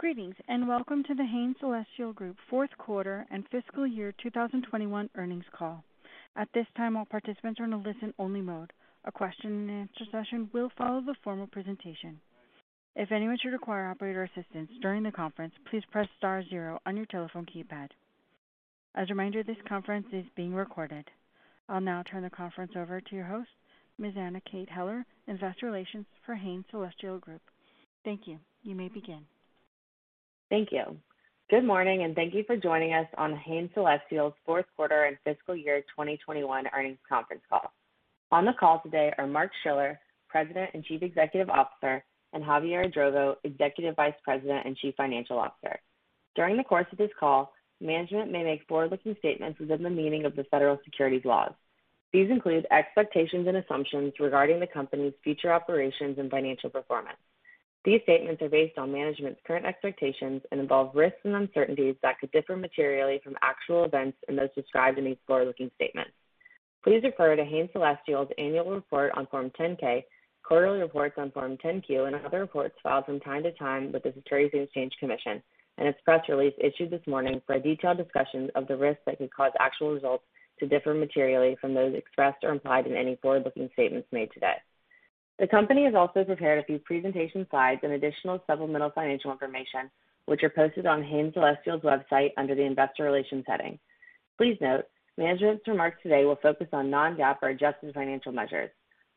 Greetings, and welcome to The Hain Celestial Group fourth quarter and fiscal year 2021 earnings call. At this time, all participants are in a listen-only mode. A question-and-answer session will follow the formal presentation. If anyone should require operator assistance during the conference, please press star zero on your telephone keypad. As a reminder, this conference is being recorded. I'll now turn the conference over to your host, Ms. Anna Kate Heller, Investor Relations for Hain Celestial Group. Thank you. You may begin. Thank you. Good morning, and thank you for joining us on Hain Celestial's fourth quarter and fiscal year 2021 earnings conference call. On the call today are Mark Schiller, President and Chief Executive Officer, and Javier Idrovo, Executive Vice President and Chief Financial Officer. During the course of this call, management may make forward-looking statements within the meaning of the federal securities laws. These include expectations and assumptions regarding the company's future operations and financial performance. These statements are based on management's current expectations and involve risks and uncertainties that could differ materially from actual events and those described in these forward-looking statements. Please refer to Hain Celestial's annual report on Form 10-K, quarterly reports on Form 10-Q and other reports filed from time to time with the Securities and Exchange Commission and its press release issued this morning for a detailed discussion of the risks that could cause actual results to differ materially from those expressed or implied in any forward-looking statements made today. The company has also prepared a few presentation slides and additional supplemental financial information, which are posted on Hain Celestial's website under the Investor Relations heading. Please note, management's remarks today will focus on non-GAAP or adjusted financial measures.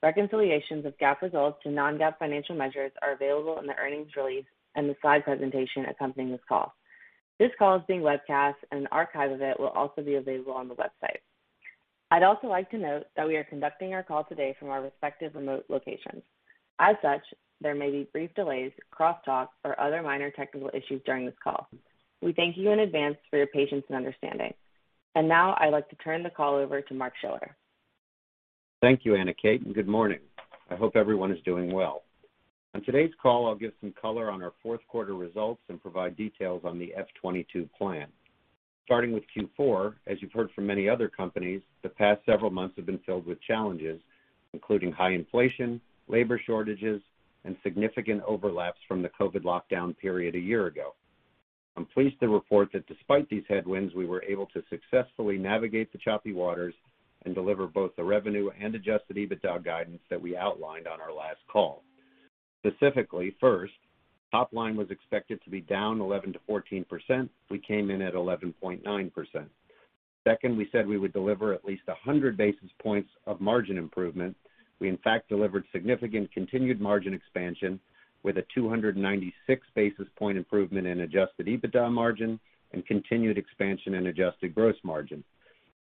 Reconciliations of GAAP results to non-GAAP financial measures are available in the earnings release and the slide presentation accompanying this call. This call is being webcast, and an archive of it will also be available on the website. I'd also like to note that we are conducting our call today from our respective remote locations. As such, there may be brief delays, crosstalk, or other minor technical issues during this call. We thank you in advance for your patience and understanding. Now I'd like to turn the call over to Mark Schiller. Thank you, Anna Kate, and good morning. I hope everyone is doing well. On today's call, I'll give some color on our fourth quarter results and provide details on the FY 2022 plan. Starting with Q4, as you've heard from many other companies, the past several months have been filled with challenges, including high inflation, labor shortages, and significant overlaps from the COVID lockdown period a year ago. I'm pleased to report that despite these headwinds, we were able to successfully navigate the choppy waters and deliver both the revenue and adjusted EBITDA guidance that we outlined on our last call. Specifically, first, top line was expected to be down 11%-14%. We came in at 11.9%. Second, we said we would deliver at least 100 basis points of margin improvement. We in fact delivered significant continued margin expansion with a 296 basis point improvement in adjusted EBITDA margin and continued expansion in adjusted gross margin.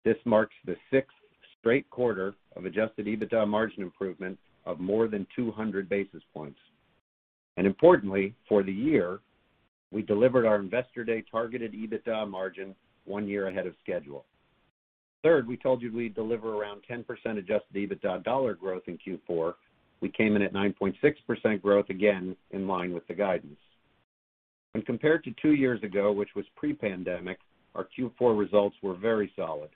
This marks the sixth straight quarter of adjusted EBITDA margin improvement of more than 200 basis points. Importantly, for the year, we delivered our Investor Day targeted EBITDA margin one year ahead of schedule. Third, we told you we'd deliver around 10% adjusted EBITDA dollar growth in Q4. We came in at 9.6% growth, again, in line with the guidance. When compared to two years ago, which was pre-pandemic, our Q4 results were very solid.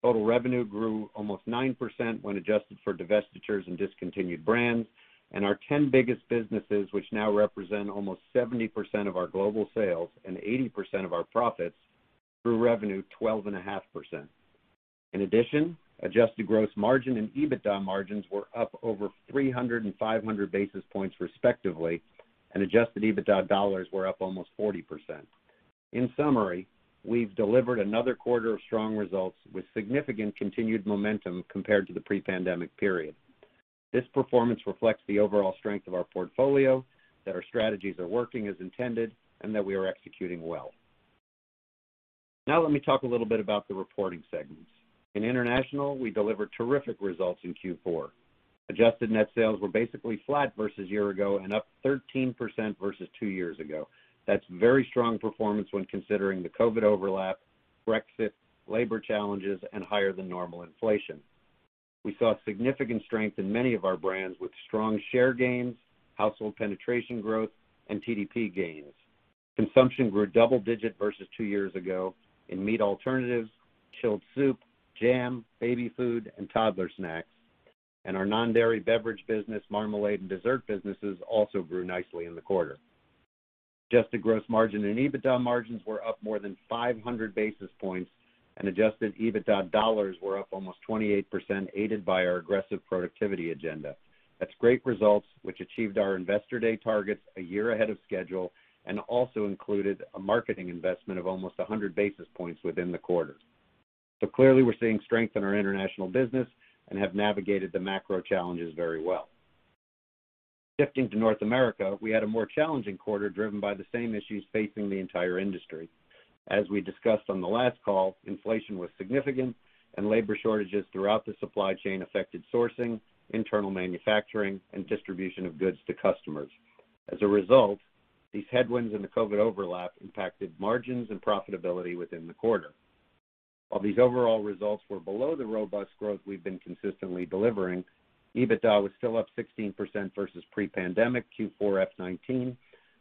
Total revenue grew almost 9% when adjusted for divestitures and discontinued brands, and our 10 biggest businesses, which now represent almost 70% of our global sales and 80% of our profits, grew revenue 12.5%. In addition, adjusted gross margin and EBITDA margins were up over 300 and 500 basis points respectively, and adjusted EBITDA dollars were up almost 40%. In summary, we've delivered another quarter of strong results with significant continued momentum compared to the pre-pandemic period. This performance reflects the overall strength of our portfolio, that our strategies are working as intended, and that we are executing well. Let me talk a little bit about the reporting segments. In international, we delivered terrific results in Q4. Adjusted net sales were basically flat versus year ago and up 13% versus two years ago. That's very strong performance when considering the COVID overlap, Brexit, labor challenges, and higher than normal inflation. We saw significant strength in many of our brands with strong share gains, household penetration growth, and TDP gains. Consumption grew double-digit versus two years ago in meat alternatives, chilled soup, jam, baby food, and toddler snacks, and our non-dairy beverage business, marmalade, and dessert businesses also grew nicely in the quarter. Adjusted gross margin and EBITDA margins were up more than 500 basis points, and adjusted EBITDA dollars were up almost 28%, aided by our aggressive productivity agenda. That's great results, which achieved our Investor Day targets a year ahead of schedule and also included a marketing investment of almost 100 basis points within the quarter. Clearly, we're seeing strength in our international business and have navigated the macro challenges very well. Shifting to North America, we had a more challenging quarter driven by the same issues facing the entire industry. As we discussed on the last call, inflation was significant, and labor shortages throughout the supply chain affected sourcing, internal manufacturing, and distribution of goods to customers. As a result, these headwinds and the COVID overlap impacted margins and profitability within the quarter. While these overall results were below the robust growth we've been consistently delivering, EBITDA was still up 16% versus pre-pandemic Q4 FY 2019,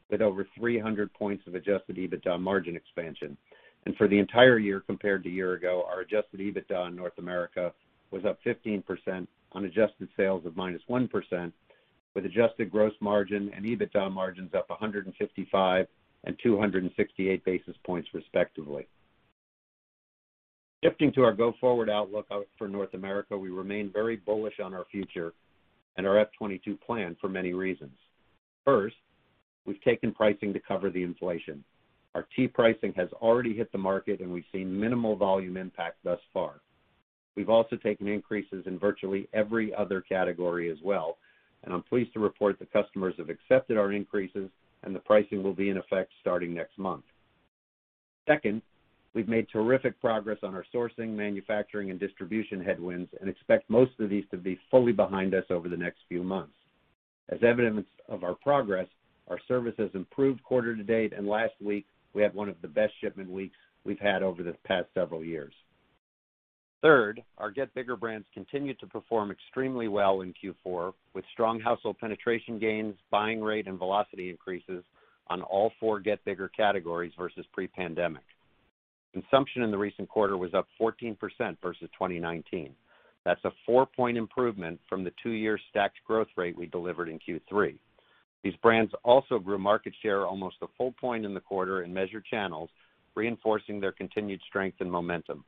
with over 300 points of adjusted EBITDA margin expansion. For the entire year compared to year ago, our adjusted EBITDA in North America was up 15% on adjusted sales of -1%, with adjusted gross margin and EBITDA margins up 155 and 268 basis points respectively. Shifting to our go-forward outlook out for North America, we remain very bullish on our future and our FY 2022 plan for many reasons. First, we've taken pricing to cover the inflation. Our tea pricing has already hit the market, and we've seen minimal volume impact thus far. We've also taken increases in virtually every other category as well, and I'm pleased to report that customers have accepted our increases, and the pricing will be in effect starting next month. Second, we've made terrific progress on our sourcing, manufacturing, and distribution headwinds and expect most of these to be fully behind us over the next few months. As evidence of our progress, our service has improved quarter to date, and last week, we had one of the best shipment weeks we've had over the past several years. Third, our Get Bigger brands continued to perform extremely well in Q4, with strong household penetration gains, buying rate, and velocity increases on all four Get Bigger categories versus pre-pandemic. Consumption in the recent quarter was up 14% versus 2019. That's a four-point improvement from the two-year stacked growth rate we delivered in Q3. These brands also grew market share almost a whole point in the quarter in measured channels, reinforcing their continued strength and momentum.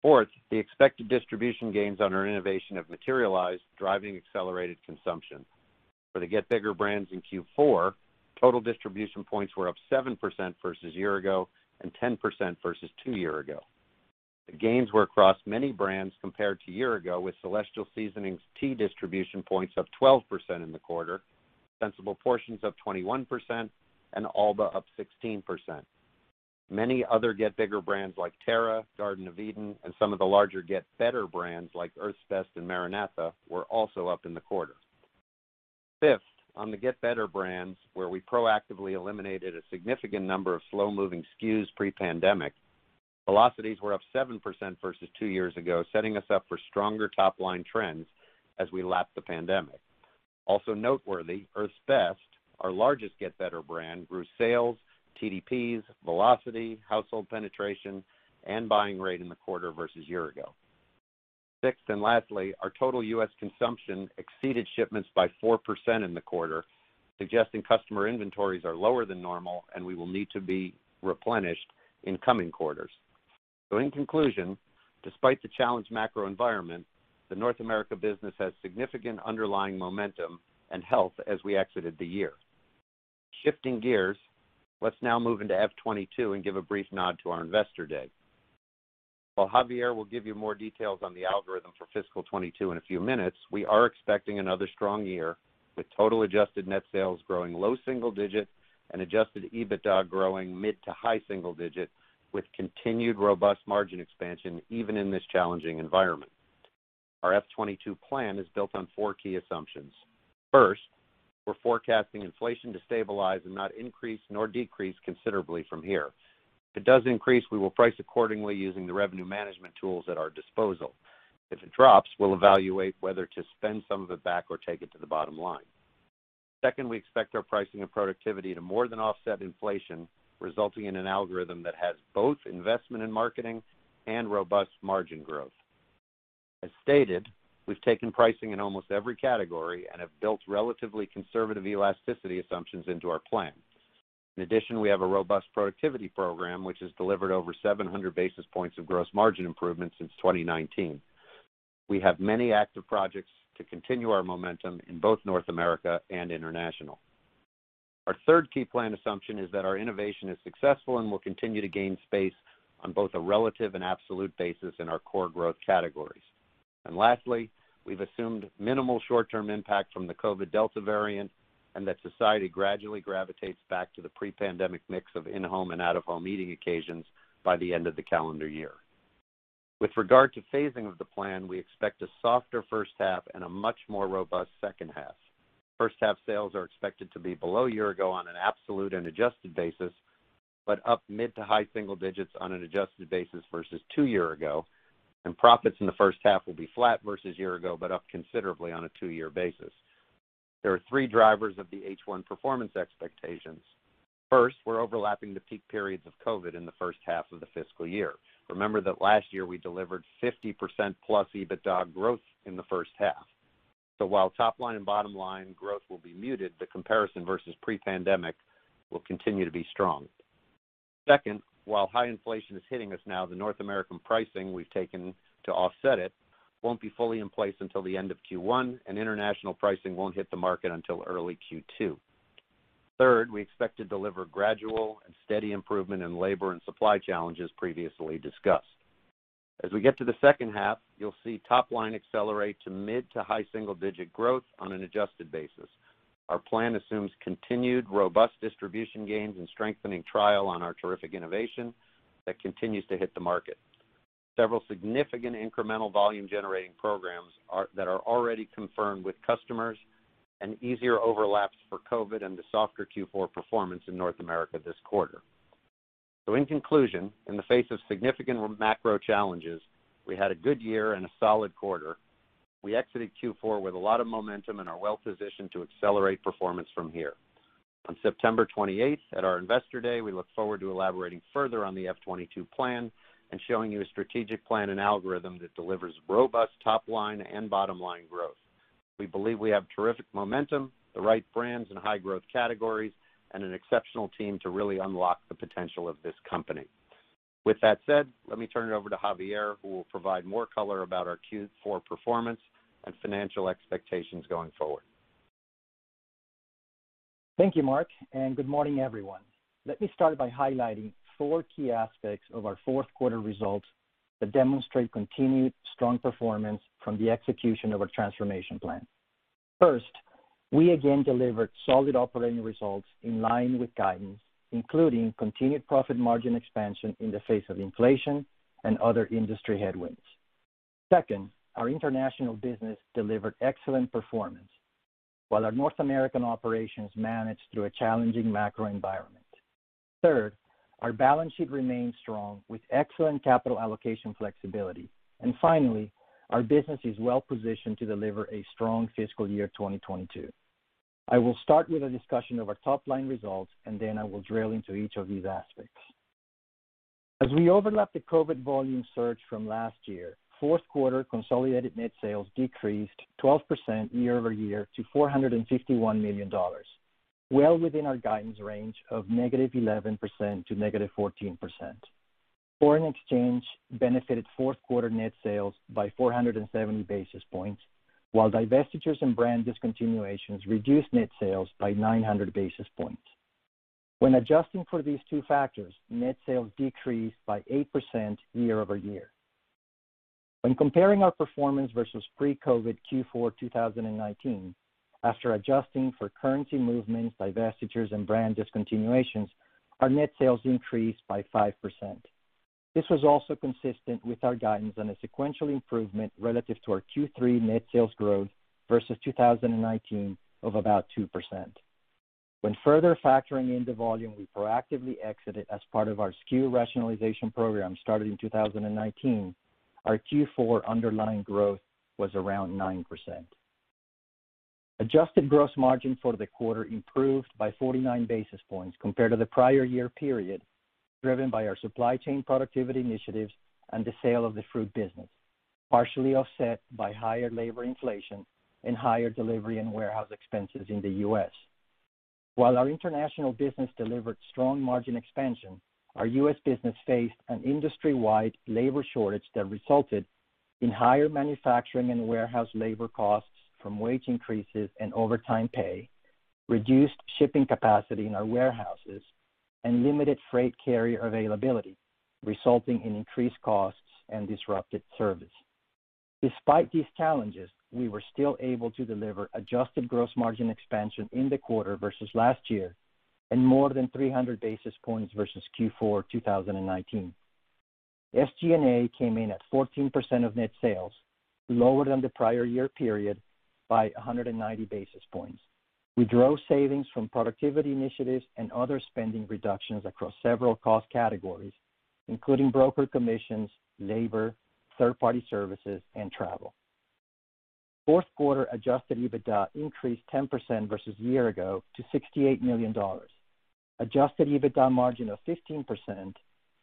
Fourth, the expected distribution gains on our innovation have materialized, driving accelerated consumption. For the Get Bigger brands in Q4, total distribution points were up 7% versus year ago and 10% versus two year ago. The gains were across many brands compared to a year ago, with Celestial Seasonings' tea distribution points up 12% in the quarter, Sensible Portions up 21%, and Alba up 16%. Many other Get Bigger brands like Terra, Garden of Eatin', and some of the larger Get Better brands like Earth's Best and MaraNatha were also up in the quarter. Fifth, on the Get Better brands, where we proactively eliminated a significant number of slow-moving SKUs pre-pandemic, velocities were up 7% versus two years ago, setting us up for stronger top-line trends as we lap the pandemic. Also noteworthy, Earth's Best, our largest Get Better brand, grew sales, TDPs, velocity, household penetration, and buying rate in the quarter versus year ago. Sixth and lastly, our total U.S. consumption exceeded shipments by 4% in the quarter, suggesting customer inventories are lower than normal and will need to be replenished in coming quarters. In conclusion, despite the challenged macro environment, the North America business has significant underlying momentum and health as we exited the year. Shifting gears, let's now move into FY 2022 and give a brief nod to our Investor Day. While Javier will give you more details on the algorithm for fiscal 2022 in a few minutes, we are expecting another strong year, with total adjusted net sales growing low single digits and adjusted EBITDA growing mid to high single digits, with continued robust margin expansion even in this challenging environment. Our FY 2022 plan is built on four key assumptions. First, we're forecasting inflation to stabilize and not increase nor decrease considerably from here. If it does increase, we will price accordingly using the revenue management tools at our disposal. If it drops, we'll evaluate whether to spend some of it back or take it to the bottom line. Second, we expect our pricing and productivity to more than offset inflation, resulting in an algorithm that has both investment in marketing and robust margin growth. As stated, we've taken pricing in almost every category and have built relatively conservative elasticity assumptions into our plan. In addition, we have a robust productivity program, which has delivered over 700 basis points of gross margin improvement since 2019. We have many active projects to continue our momentum in both North America and international. Our third key plan assumption is that our innovation is successful and will continue to gain space on both a relative and absolute basis in our core growth categories. Lastly, we've assumed minimal short-term impact from the COVID Delta variant and that society gradually gravitates back to the pre-pandemic mix of in-home and out-of-home eating occasions by the end of the calendar year. With regard to phasing of the plan, we expect a softer first half and a much more robust second half. First half sales are expected to be below year-ago on an absolute and adjusted basis, but up mid-to-high single digits on an adjusted basis versus two years ago. Profits in the first half will be flat versus year-ago, but up considerably on a two-year basis. There are three drivers of the H1 performance expectations. First, we're overlapping the peak periods of COVID in the first half of the fiscal year. Remember that last year, we delivered 50%+ EBITDA growth in the first half. While top-line and bottom-line growth will be muted, the comparison versus pre-pandemic will continue to be strong. Second, while high inflation is hitting us now, the North American pricing we've taken to offset it won't be fully in place until the end of Q1. International pricing won't hit the market until early Q2. We expect to deliver gradual and steady improvement in labor and supply challenges previously discussed. As we get to the second half, you'll see top line accelerate to mid-to-high single-digit growth on an adjusted basis. Our plan assumes continued robust distribution gains and strengthening trial on our terrific innovation that continues to hit the market. Several significant incremental volume-generating programs that are already confirmed with customers and easier overlaps for COVID and the softer Q4 performance in North America this quarter. In conclusion, in the face of significant macro challenges, we had a good year and a solid quarter. We exited Q4 with a lot of momentum and are well-positioned to accelerate performance from here. On September 28th at our Investor Day, we look forward to elaborating further on the FY 2022 plan and showing you a strategic plan and algorithm that delivers robust top-line and bottom-line growth. We believe we have terrific momentum, the right brands, and high-growth categories, and an exceptional team to really unlock the potential of this company. With that said, let me turn it over to Javier, who will provide more color about our Q4 performance and financial expectations going forward. Thank you, Mark, good morning, everyone. Let me start by highlighting four key aspects of our fourth quarter results that demonstrate continued strong performance from the execution of our transformation plan. First, we again delivered solid operating results in line with guidance, including continued profit margin expansion in the face of inflation and other industry headwinds. Second, our international business delivered excellent performance while our North American operations managed through a challenging macro environment. Third, our balance sheet remains strong with excellent capital allocation flexibility. Finally, our business is well positioned to deliver a strong fiscal year 2022. I will start with a discussion of our top-line results, and then I will drill into each of these aspects. As we overlap the COVID volume surge from last year, fourth quarter consolidated net sales decreased 12% year-over-year to $451 million, well within our guidance range of -11% to -14%. Foreign exchange benefited fourth quarter net sales by 470 basis points, while divestitures and brand discontinuations reduced net sales by 900 basis points. When adjusting for these two factors, net sales decreased by 8% year-over-year. When comparing our performance versus pre-COVID Q4 2019, after adjusting for currency movements, divestitures, and brand discontinuations, our net sales increased by 5%. This was also consistent with our guidance on a sequential improvement relative to our Q3 net sales growth versus 2019 of about 2%. When further factoring in the volume we proactively exited as part of our SKU rationalization program started in 2019, our Q4 underlying growth was around 9%. Adjusted gross margin for the quarter improved by 49 basis points compared to the prior year period, driven by our supply chain productivity initiatives and the sale of the fruit business, partially offset by higher labor inflation and higher delivery and warehouse expenses in the U.S. While our international business delivered strong margin expansion, our U.S. business faced an industry-wide labor shortage that resulted in higher manufacturing and warehouse labor costs from wage increases and overtime pay, reduced shipping capacity in our warehouses, and limited freight carrier availability, resulting in increased costs and disrupted service. Despite these challenges, we were still able to deliver adjusted gross margin expansion in the quarter versus last year and more than 300 basis points versus Q4 2019. SG&A came in at 14% of net sales, lower than the prior year period by 190 basis points. We drove savings from productivity initiatives and other spending reductions across several cost categories, including broker commissions, labor, third-party services, and travel. Fourth quarter adjusted EBITDA increased 10% versus a year ago to $68 million. Adjusted EBITDA margin of 15%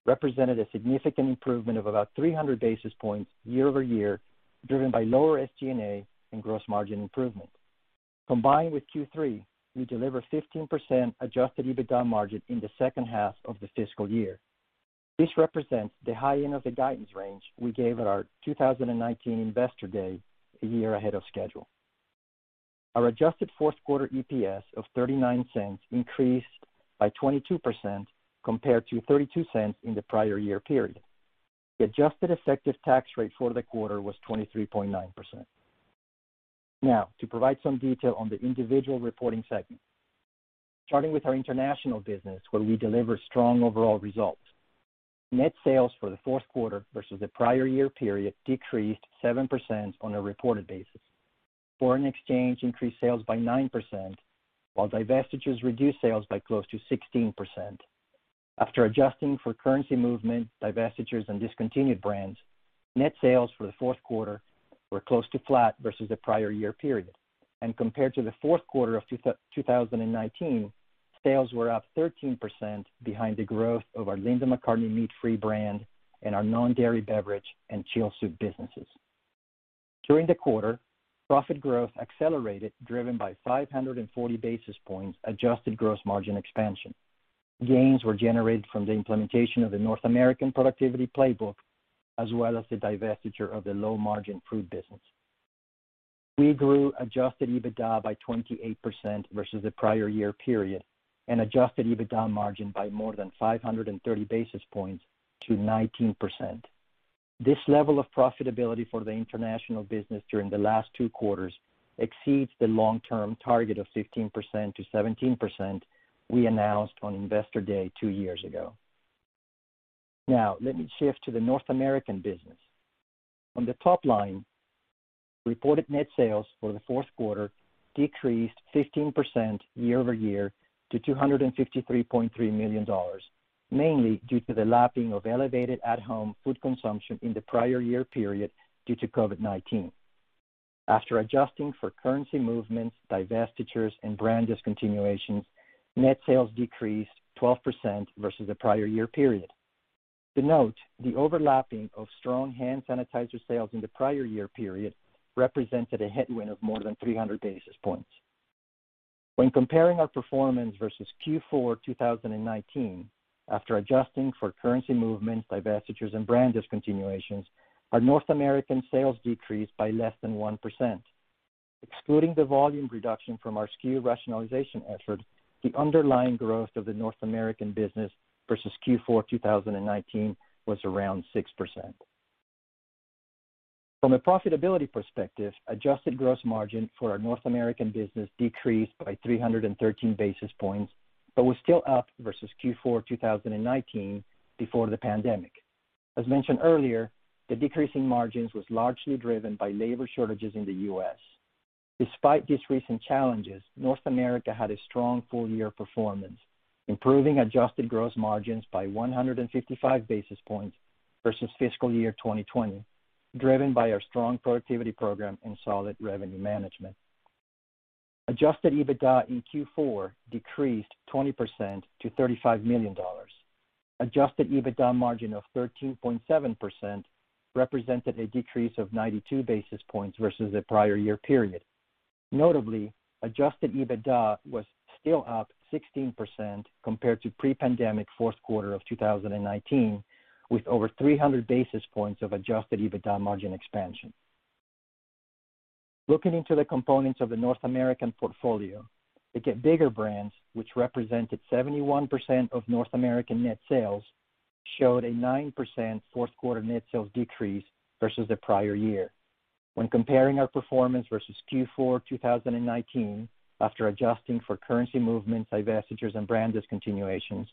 represented a significant improvement of about 300 basis points year-over-year, driven by lower SG&A and gross margin improvement. Combined with Q3, we delivered 15% adjusted EBITDA margin in the second half of the fiscal year. This represents the high end of the guidance range we gave at our 2019 Investor Day a year ahead of schedule. Our adjusted fourth quarter EPS of $0.39 increased by 22% compared to $0.32 in the prior year period. The adjusted effective tax rate for the quarter was 23.9%. To provide some detail on the individual reporting segments. Starting with our international business, where we delivered strong overall results. Net sales for the fourth quarter versus the prior year period decreased 7% on a reported basis. Foreign exchange increased sales by 9%, while divestitures reduced sales by close to 16%. After adjusting for currency movement, divestitures, and discontinued brands, net sales for the fourth quarter were close to flat versus the prior year period. Compared to the fourth quarter of 2019, sales were up 13% behind the growth of our Linda McCartney meat-free brand and our non-dairy beverage and chilled soup businesses. During the quarter, profit growth accelerated, driven by 540 basis points adjusted gross margin expansion. Gains were generated from the implementation of the North American productivity playbook, as well as the divestiture of the low-margin fruit business. We grew adjusted EBITDA by 28% versus the prior year period and adjusted EBITDA margin by more than 530 basis points to 19%. This level of profitability for the international business during the last two quarters exceeds the long-term target of 15%-17% we announced on Investor Day two years ago. Now, let me shift to the North American business. On the top line, reported net sales for the fourth quarter decreased 15% year-over-year to $253.3 million, mainly due to the lapping of elevated at-home food consumption in the prior year period due to COVID-19. After adjusting for currency movements, divestitures, and brand discontinuations, net sales decreased 12% versus the prior year period. To note, the overlapping of strong hand sanitizer sales in the prior year period represented a headwind of more than 300 basis points. When comparing our performance versus Q4 2019, after adjusting for currency movements, divestitures, and brand discontinuations, our North American sales decreased by less than 1%. Excluding the volume reduction from our SKU rationalization effort, the underlying growth of the North American business versus Q4 2019 was around 6%. From a profitability perspective, adjusted gross margin for our North American business decreased by 313 basis points, but was still up versus Q4 2019 before the pandemic. As mentioned earlier, the decrease in margins was largely driven by labor shortages in the U.S. Despite these recent challenges, North America had a strong full-year performance, improving adjusted gross margins by 155 basis points versus fiscal year 2020, driven by our strong productivity program and solid revenue management. Adjusted EBITDA in Q4 decreased 20% to $35 million. Adjusted EBITDA margin of 13.7% represented a decrease of 92 basis points versus the prior year period. Notably, adjusted EBITDA was still up 16% compared to pre-pandemic fourth quarter of 2019, with over 300 basis points of adjusted EBITDA margin expansion. Looking into the components of the North American portfolio, the Get Bigger brands, which represented 71% of North American net sales, showed a 9% fourth quarter net sales decrease versus the prior year. When comparing our performance versus Q4 2019, after adjusting for currency movements, divestitures, and brand discontinuations,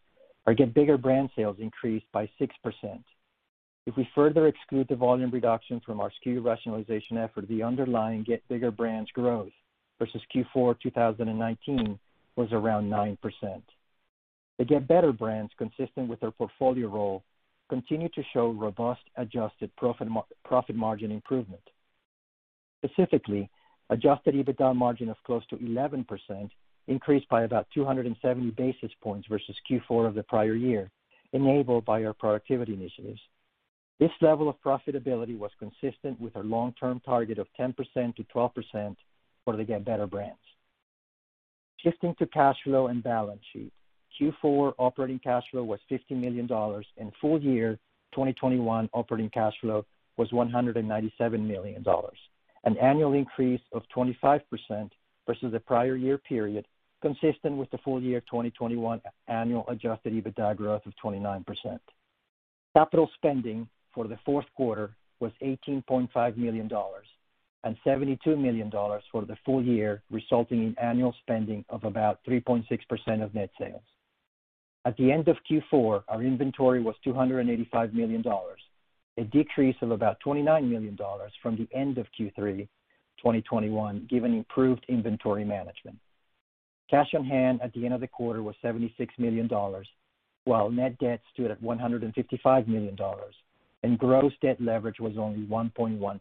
our Get Bigger brand sales increased by 6%. If we further exclude the volume reduction from our SKU rationalization effort, the underlying Get Bigger brands growth versus Q4 2019 was around 9%. The Get Better brands, consistent with their portfolio role, continue to show robust adjusted profit margin improvement. Specifically, adjusted EBITDA margin of close to 11% increased by about 270 basis points versus Q4 of the prior year, enabled by our productivity initiatives. This level of profitability was consistent with our long-term target of 10%-12% for the Get Better brands. Shifting to cash flow and balance sheet. Q4 operating cash flow was $50 million, and full year 2021 operating cash flow was $197 million, an annual increase of 25% versus the prior year period, consistent with the full year 2021 annual adjusted EBITDA growth of 29%. Capital spending for the fourth quarter was $18.5 million and $72 million for the full year, resulting in annual spending of about 3.6% of net sales. At the end of Q4, our inventory was $285 million, a decrease of about $29 million from the end of Q3 2021, given improved inventory management. Cash on hand at the end of the quarter was $76 million, while net debt stood at $155 million, and gross debt leverage was only 1.1x.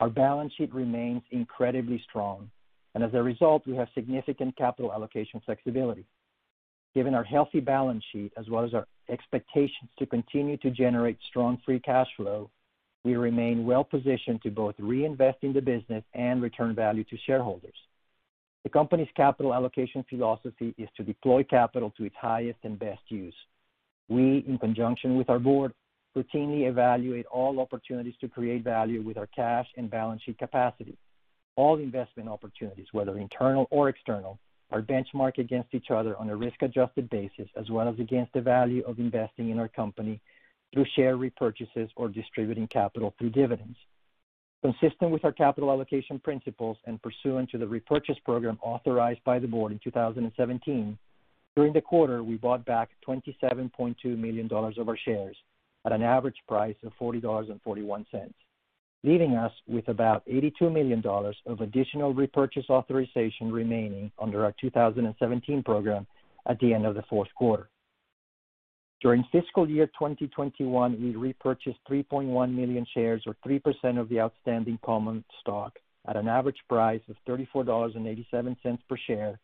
Our balance sheet remains incredibly strong, and as a result, we have significant capital allocation flexibility. Given our healthy balance sheet as well as our expectations to continue to generate strong free cash flow, we remain well-positioned to both reinvest in the business and return value to shareholders. The company's capital allocation philosophy is to deploy capital to its highest and best use. We, in conjunction with our board, routinely evaluate all opportunities to create value with our cash and balance sheet capacity. All investment opportunities, whether internal or external, are benchmarked against each other on a risk-adjusted basis as well as against the value of investing in our company through share repurchases or distributing capital through dividends. Consistent with our capital allocation principles and pursuant to the repurchase program authorized by the board in 2017, during the quarter, we bought back $27.2 million of our shares at an average price of $40.41, leaving us with about $82 million of additional repurchase authorization remaining under our 2017 program at the end of the fourth quarter. During fiscal year 2021, we repurchased 3.1 million shares, or 3% of the outstanding common stock, at an average price of $34.87 per share,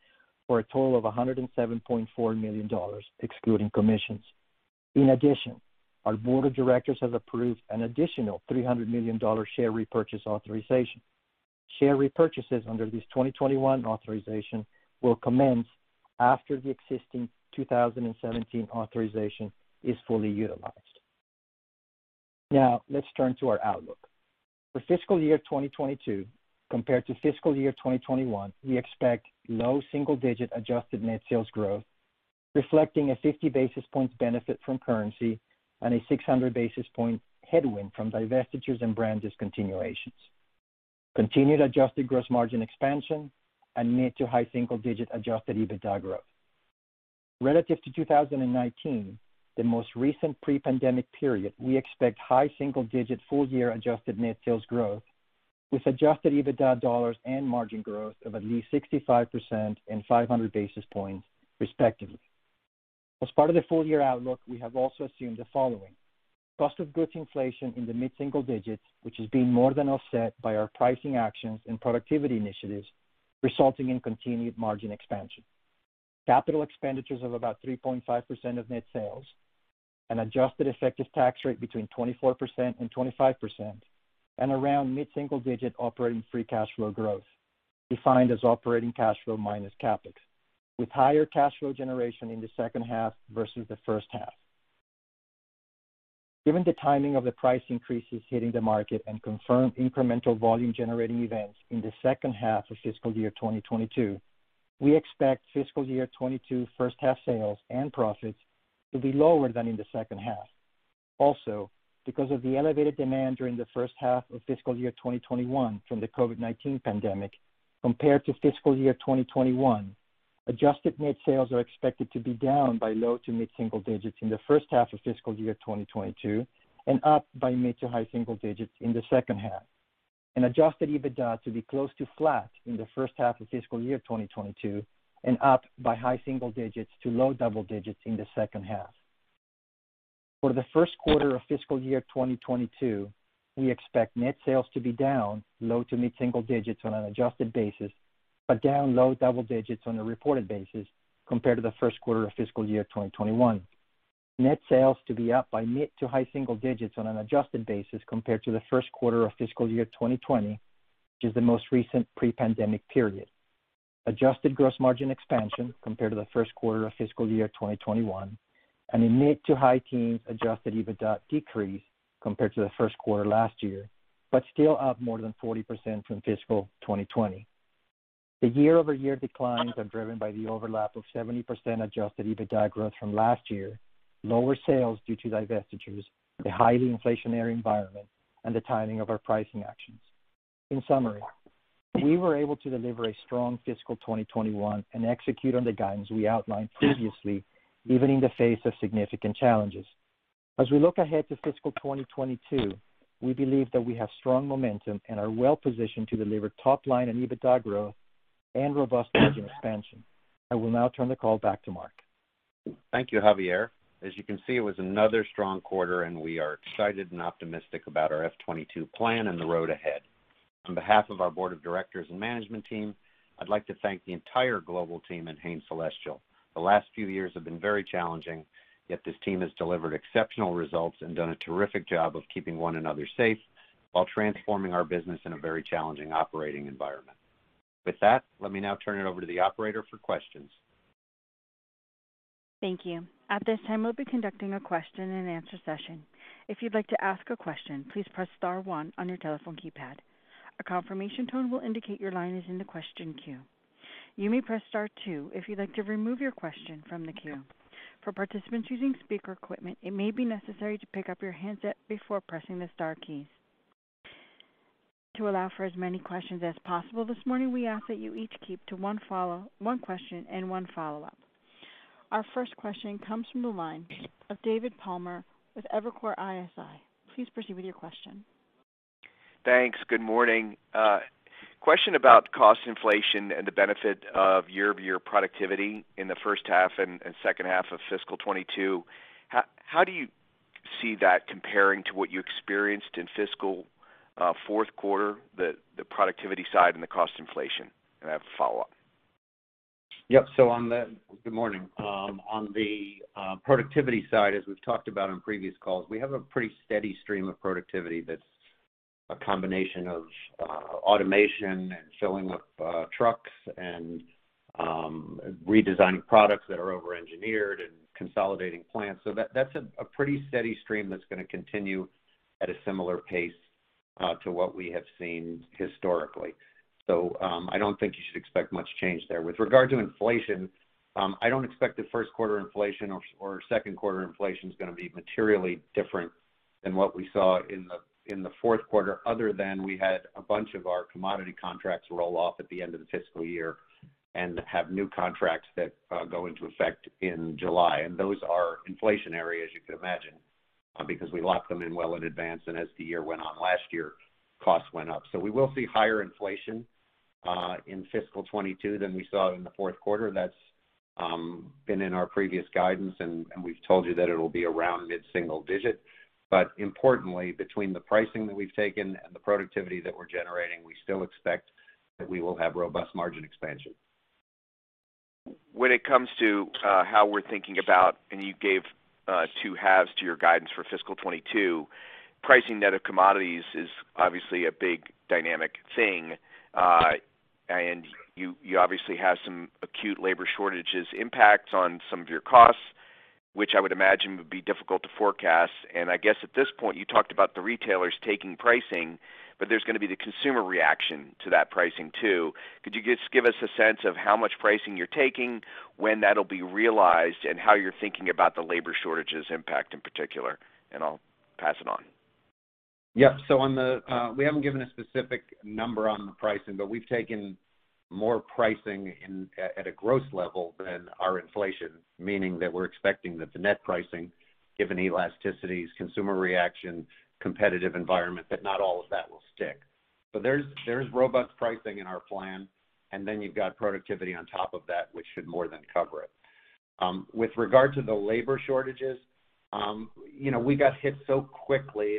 for a total of $107.4 million, excluding commissions. In addition, our board of directors has approved an additional $300 million share repurchase authorization. Share repurchases under this 2021 authorization will commence after the existing 2017 authorization is fully utilized. Now, let's turn to our outlook. For fiscal year 2022 compared to fiscal year 2021, we expect low single-digit adjusted net sales growth, reflecting a 50 basis point benefit from currency and a 600 basis point headwind from divestitures and brand discontinuations, continued adjusted gross margin expansion, and mid to high single-digit adjusted EBITDA growth. Relative to 2019, the most recent pre-pandemic period, we expect high single-digit full-year adjusted net sales growth with adjusted EBITDA dollars and margin growth of at least 65% and 500 basis points, respectively. As part of the full-year outlook, we have also assumed the following. Cost of goods inflation in the mid-single digits, which is being more than offset by our pricing actions and productivity initiatives, resulting in continued margin expansion. Capital expenditures of about 3.5% of net sales, an adjusted effective tax rate between 24% and 25%, and around mid-single digit operating free cash flow growth, defined as operating cash flow minus CapEx, with higher cash flow generation in the second half versus the first half. Given the timing of the price increases hitting the market and confirmed incremental volume-generating events in the second half of fiscal year 2022, we expect fiscal year 2022 first half sales and profits to be lower than in the second half. Also, because of the elevated demand during the first half of fiscal year 2021 from the COVID-19 pandemic compared to fiscal year 2021, adjusted net sales are expected to be down by low to mid-single digits in the first half of fiscal year 2022, and up by mid to high single digits in the second half. An adjusted EBITDA to be close to flat in the first half of fiscal year 2022, and up by high single digits to low double digits in the second half. For the first quarter of fiscal year 2022, we expect net sales to be down low to mid-single digits on an adjusted basis, but down low double digits on a reported basis compared to the first quarter of fiscal year 2021. Net sales to be up by mid to high single digits on an adjusted basis compared to the first quarter of fiscal year 2020, which is the most recent pre-pandemic period. Adjusted gross margin expansion compared to the first quarter of fiscal year 2021, and a mid to high teens adjusted EBITDA decrease compared to the first quarter last year, but still up more than 40% from fiscal 2020. The year-over-year declines are driven by the overlap of 70% adjusted EBITDA growth from last year, lower sales due to divestitures, the highly inflationary environment, and the timing of our pricing actions. In summary, we were able to deliver a strong fiscal 2021 and execute on the guidance we outlined previously, even in the face of significant challenges. As we look ahead to fiscal 2022, we believe that we have strong momentum and are well-positioned to deliver top line and EBITDA growth and robust margin expansion. I will now turn the call back to Mark. Thank you, Javier. As you can see, it was another strong quarter, and we are excited and optimistic about our FY 2022 plan and the road ahead. On behalf of our board of directors and management team, I'd like to thank the entire global team at Hain Celestial. The last few years have been very challenging, yet this team has delivered exceptional results and done a terrific job of keeping one another safe while transforming our business in a very challenging operating environment. With that, let me now turn it over to the operator for questions. Thank you. At this time, we'll be conducting a question and answer session. If you'd like to ask a question, please press star one on your telephone keypad. A confirmation tone will indicate your line is in the question queue. You may press star two if you'd like to remove your question from the queue. For participants using speaker equipment, it may be necessary to pick up your handset before pressing the star keys. To allow for as many questions as possible this morning, we ask that you each keep to one question and one follow-up. Our first question comes from the line of David Palmer with Evercore ISI. Please proceed with your question. Thanks. Good morning. A question about cost inflation and the benefit of year-over-year productivity in the first half and second half of fiscal 2022. How do you see that comparing to what you experienced in fiscal fourth quarter, the productivity side and the cost inflation? I have a follow-up. Yep. Good morning. On the productivity side, as we've talked about on previous calls, we have a pretty steady stream of productivity that's a combination of automation and filling up trucks and redesigning products that are over-engineered and consolidating plants. That's a pretty steady stream that's going to continue at a similar pace to what we have seen historically. I don't think you should expect much change there. With regard to inflation, I don't expect the first quarter inflation or second quarter inflation is going to be materially different than what we saw in the fourth quarter, other than we had a bunch of our commodity contracts roll off at the end of the fiscal year and have new contracts that go into effect in July. Those are inflationary, as you can imagine, because we locked them in well in advance, and as the year went on last year, costs went up. We will see higher inflation in fiscal 2022 than we saw in the fourth quarter. That's been in our previous guidance, and we've told you that it'll be around mid-single digit. Importantly, between the pricing that we've taken and the productivity that we're generating, we still expect that we will have robust margin expansion. When it comes to how we're thinking about, you gave two halves to your guidance for fiscal 2022, pricing net of commodities is obviously a big dynamic thing. You obviously have some acute labor shortages impacts on some of your costs, which I would imagine would be difficult to forecast. I guess at this point, you talked about the retailers taking pricing, but there's going to be the consumer reaction to that pricing, too. Could you just give us a sense of how much pricing you're taking, when that'll be realized, and how you're thinking about the labor shortages impact in particular? I'll pass it on. Yep. We haven't given a specific number on the pricing, but we've taken more pricing at a gross level than our inflation, meaning that we're expecting that the net pricing, given elasticities, consumer reaction, competitive environment, that not all of that will stick. There's robust pricing in our plan, and then you've got productivity on top of that, which should more than cover it. With regard to the labor shortages, we got hit so quickly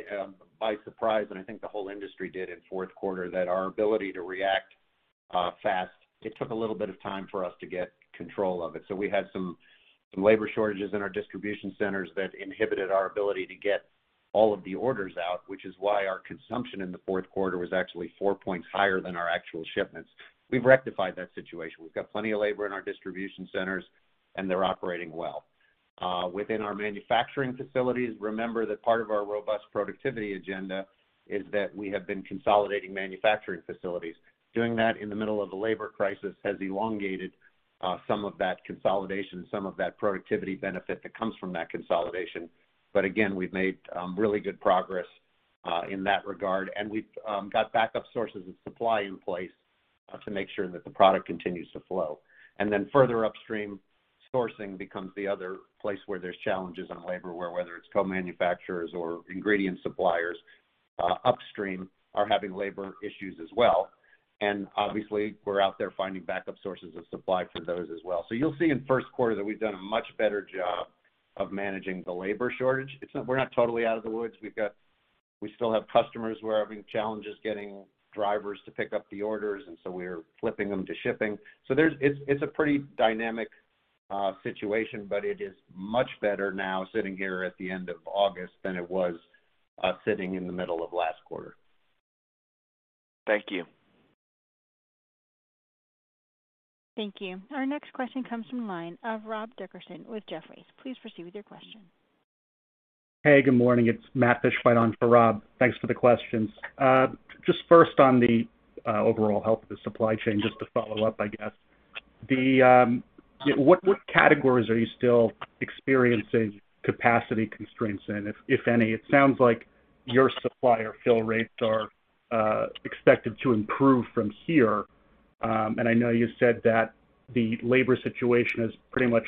by surprise, and I think the whole industry did in fourth quarter, that our ability to react fast, it took a little bit of time for us to get control of it. We had some labor shortages in our distribution centers that inhibited our ability to get all of the orders out, which is why our consumption in the fourth quarter was actually 4 points higher than our actual shipments. We've rectified that situation. We've got plenty of labor in our distribution centers, and they're operating well. Within our manufacturing facilities, remember that part of our robust productivity agenda is that we have been consolidating manufacturing facilities. Doing that in the middle of a labor crisis has elongated some of that consolidation, some of that productivity benefit that comes from that consolidation. Again, we've made really good progress in that regard, and we've got backup sources of supply in place to make sure that the product continues to flow. Further upstream, sourcing becomes the other place where there's challenges on labor, where whether it's co-manufacturers or ingredient suppliers upstream are having labor issues as well. Obviously, we're out there finding backup sources of supply for those as well. You'll see in first quarter that we've done a much better job of managing the labor shortage. We're not totally out of the woods. We still have customers who are having challenges getting drivers to pick up the orders, and so we're flipping them to shipping. It's a pretty dynamic situation, but it is much better now sitting here at the end of August than it was sitting in the middle of last quarter. Thank you. Thank you. Our next question comes from the line of Rob Dickerson with Jefferies. Please proceed with your question. Hey, good morning. It's Matt Fishbein on for Rob. Thanks for the questions. Just first on the overall health of the supply chain, just to follow up, I guess. What categories are you still experiencing capacity constraints in, if any? It sounds like your supplier fill rates are expected to improve from here. I know you said that the labor situation has pretty much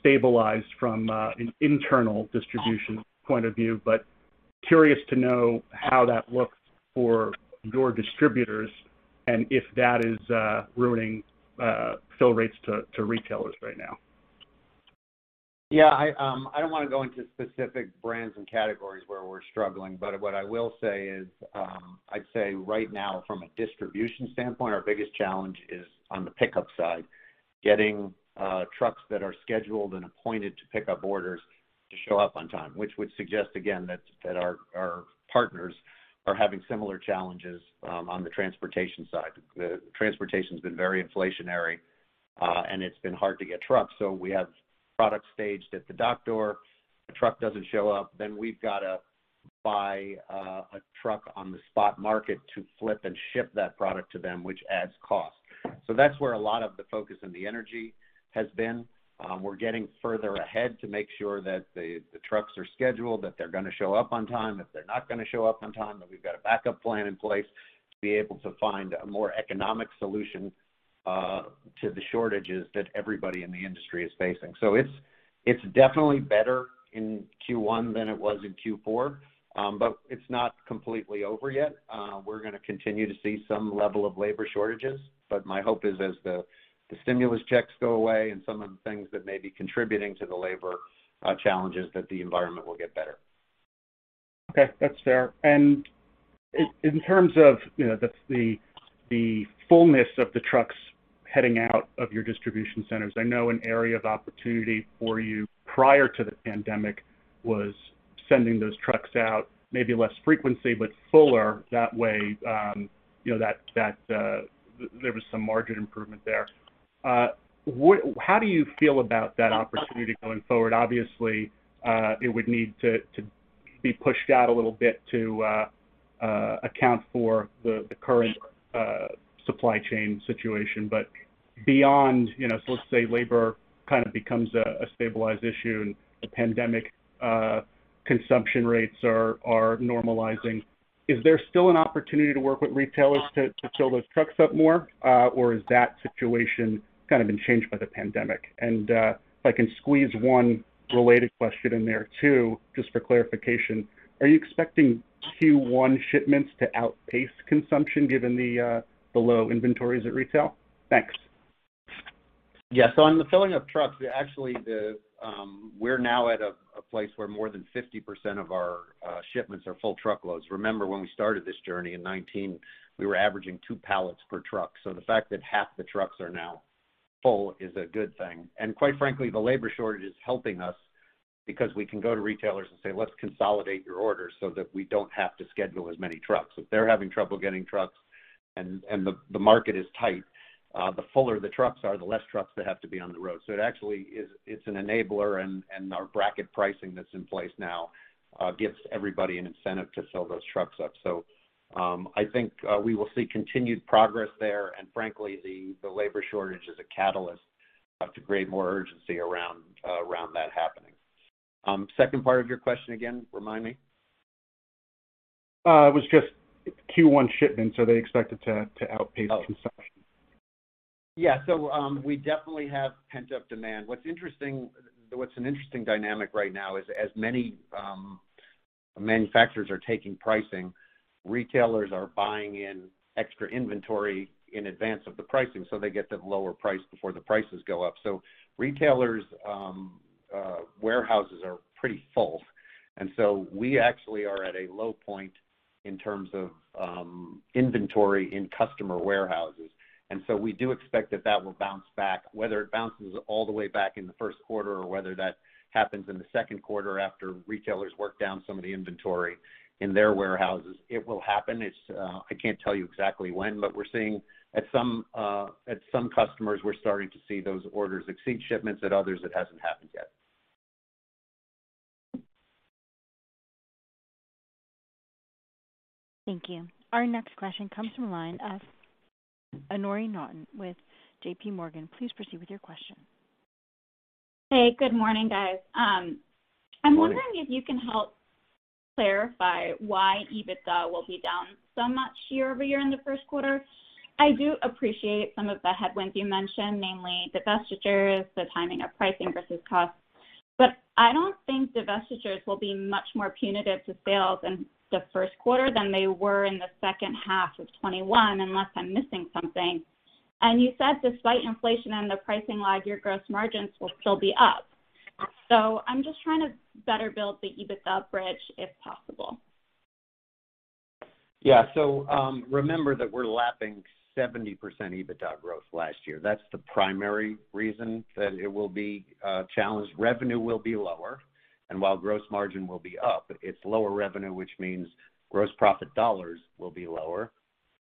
stabilized from an internal distribution point of view, but curious to know how that looks for your distributors and if that is ruining fill rates to retailers right now. Yeah. I don't want to go into specific brands and categories where we're struggling, but what I will say is, I'd say right now from a distribution standpoint, our biggest challenge is on the pickup side, getting trucks that are scheduled and appointed to pick up orders to show up on time, which would suggest, again, that our partners are having similar challenges on the transportation side. Transportation's been very inflationary. It's been hard to get trucks. We have product staged at the dock door. The truck doesn't show up, then we've got to buy a truck on the spot market to flip and ship that product to them, which adds cost. That's where a lot of the focus and the energy has been. We're getting further ahead to make sure that the trucks are scheduled, that they're gonna show up on time. If they're not gonna show up on time, that we've got a backup plan in place to be able to find a more economic solution to the shortages that everybody in the industry is facing. It's definitely better in Q1 than it was in Q4, but it's not completely over yet. We're gonna continue to see some level of labor shortages, but my hope is as the stimulus checks go away and some of the things that may be contributing to the labor challenges, that the environment will get better. Okay. That's fair. In terms of the fullness of the trucks heading out of your distribution centers, I know an area of opportunity for you prior to the pandemic was sending those trucks out, maybe less frequency, but fuller that way. There was some margin improvement there. How do you feel about that opportunity going forward? Obviously, it would need to be pushed out a little bit to account for the current supply chain situation. Beyond, let's say labor kind of becomes a stabilized issue and the pandemic consumption rates are normalizing. Is there still an opportunity to work with retailers to fill those trucks up more? Has that situation kind of been changed by the pandemic? If I can squeeze one related question in there too, just for clarification, are you expecting Q1 shipments to outpace consumption given the low inventories at retail? Thanks. Yeah. On the filling of trucks, actually, we're now at a place where more than 50% of our shipments are full truckloads. Remember, when we started this journey in 2019, we were averaging two pallets per truck. The fact that half the trucks are now full is a good thing. Quite frankly, the labor shortage is helping us because we can go to retailers and say, "Let's consolidate your orders so that we don't have to schedule as many trucks." If they're having trouble getting trucks and the market is tight, the fuller the trucks are, the less trucks that have to be on the road. It actually is an enabler, and our bracket pricing that's in place now gives everybody an incentive to fill those trucks up. I think we will see continued progress there. Frankly, the labor shortage is a catalyst to create more urgency around that happening. Second part of your question again, remind me? It was just Q1 shipments, are they expected to outpace consumption? Yeah. We definitely have pent-up demand. What's an interesting dynamic right now is as many manufacturers are taking pricing, retailers are buying in extra inventory in advance of the pricing, so they get the lower price before the prices go up. Retailers' warehouses are pretty full, and so we actually are at a low point in terms of inventory in customer warehouses, and so we do expect that that will bounce back. Whether it bounces all the way back in the first quarter, or whether that happens in the second quarter after retailers work down some of the inventory in their warehouses, it will happen. I can't tell you exactly when, but at some customers, we're starting to see those orders exceed shipments. At others, it hasn't happened yet. Thank you. Our next question comes from the line of Anoori Naughton with J.P. Morgan. Please proceed with your question. Hey, good morning, guys. Good morning. I'm wondering if you can help clarify why EBITDA will be down so much year-over-year in the first quarter. I do appreciate some of the headwinds you mentioned, namely divestitures, the timing of pricing versus costs. I don't think divestitures will be much more punitive to sales in the first quarter than they were in the second half of 2021, unless I'm missing something. You said despite inflation and the pricing lag, your gross margins will still be up. I'm just trying to better build the EBITDA bridge if possible. Yeah. Remember that we're lapping 70% EBITDA growth last year. That's the primary reason that it will be a challenge. Revenue will be lower, and while gross margin will be up, it's lower revenue, which means gross profit dollars will be lower,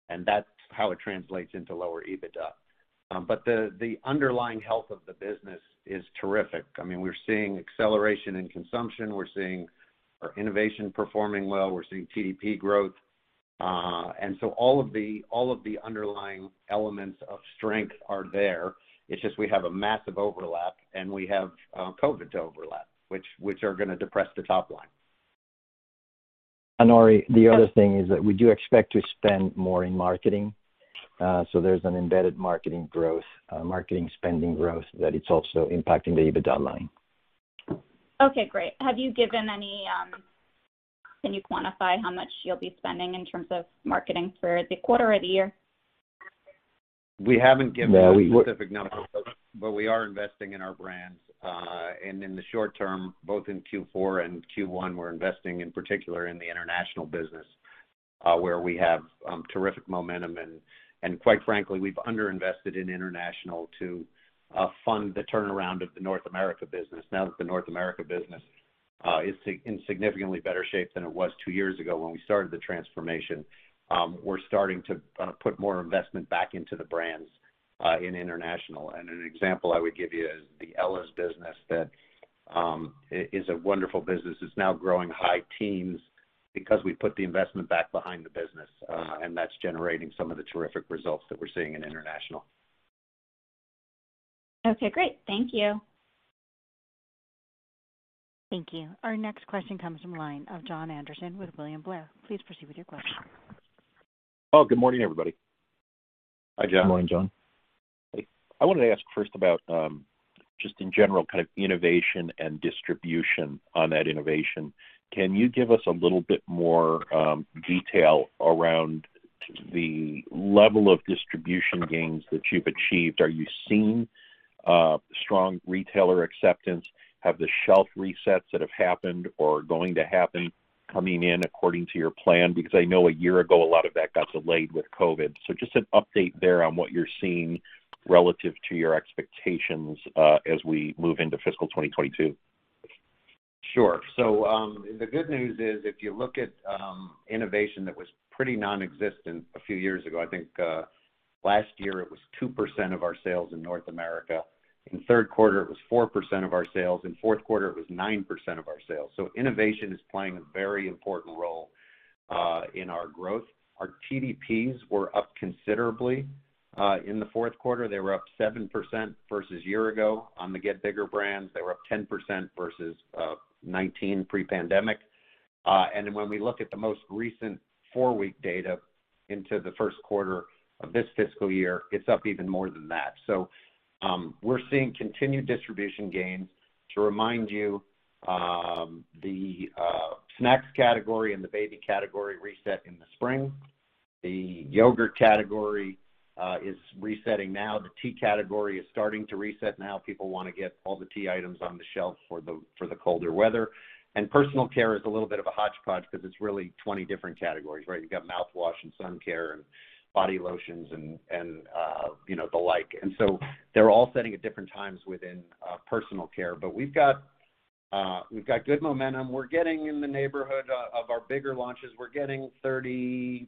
and that's how it translates into lower EBITDA. The underlying health of the business is terrific. We're seeing acceleration in consumption. We're seeing our innovation performing well. We're seeing TDP growth. All of the underlying elements of strength are there. It's just we have a massive overlap, and we have COVID to overlap, which are going to depress the top line. Anoori, the other thing is that we do expect to spend more in marketing, there's an embedded marketing spending growth that it's also impacting the EBITDA line. Okay, great. Can you quantify how much you'll be spending in terms of marketing for the quarter or the year? We haven't given a specific number, but we are investing in our brands. In the short term, both in Q4 and Q1, we're investing in particular in the international business, where we have terrific momentum. Quite frankly, we've under-invested in international to fund the turnaround of the North America business. Now that the North America business is in significantly better shape than it was two years ago when we started the transformation, we're starting to put more investment back into the brands in international. An example I would give you is the Ella's business, that is a wonderful business. It's now growing high teens because we put the investment back behind the business, and that's generating some of the terrific results that we're seeing in international. Okay, great. Thank you. Thank you. Our next question comes from line of Jon Andersen with William Blair. Please proceed with your question. Oh, good morning, everybody. Hi, Jon. Good morning, Jon. Hey. I wanted to ask first about, just in general, kind of innovation and distribution on that innovation. Can you give us a little bit more detail around the level of distribution gains that you've achieved? Are you seeing strong retailer acceptance? Have the shelf resets that have happened or are going to happen coming in according to your plan? I know a year ago, a lot of that got delayed with COVID. Just an update there on what you're seeing relative to your expectations as we move into fiscal 2022. Sure. The good news is if you look at innovation that was pretty nonexistent a few years ago, I think, last year it was 2% of our sales in North America. In third quarter, it was 4% of our sales. In fourth quarter, it was 9% of our sales. Innovation is playing a very important role, in our growth. Our TDPs were up considerably. In the fourth quarter, they were up 7% versus year ago on the Get Bigger brands. They were up 10% versus 2019 pre-pandemic. When we look at the most recent four-week data into the first quarter of this fiscal year, it's up even more than that. We're seeing continued distribution gains. To remind you, the snacks category and the baby category reset in the spring. The yogurt category is resetting now. The tea category is starting to reset now. People want to get all the tea items on the shelf for the colder weather. Personal care is a little bit of a hodgepodge because it's really 20 different categories, right? You've got mouthwash and sun care and body lotions and the like. They're all setting at different times within personal care. We've got good momentum. In the neighborhood of our bigger launches, we're getting 30%+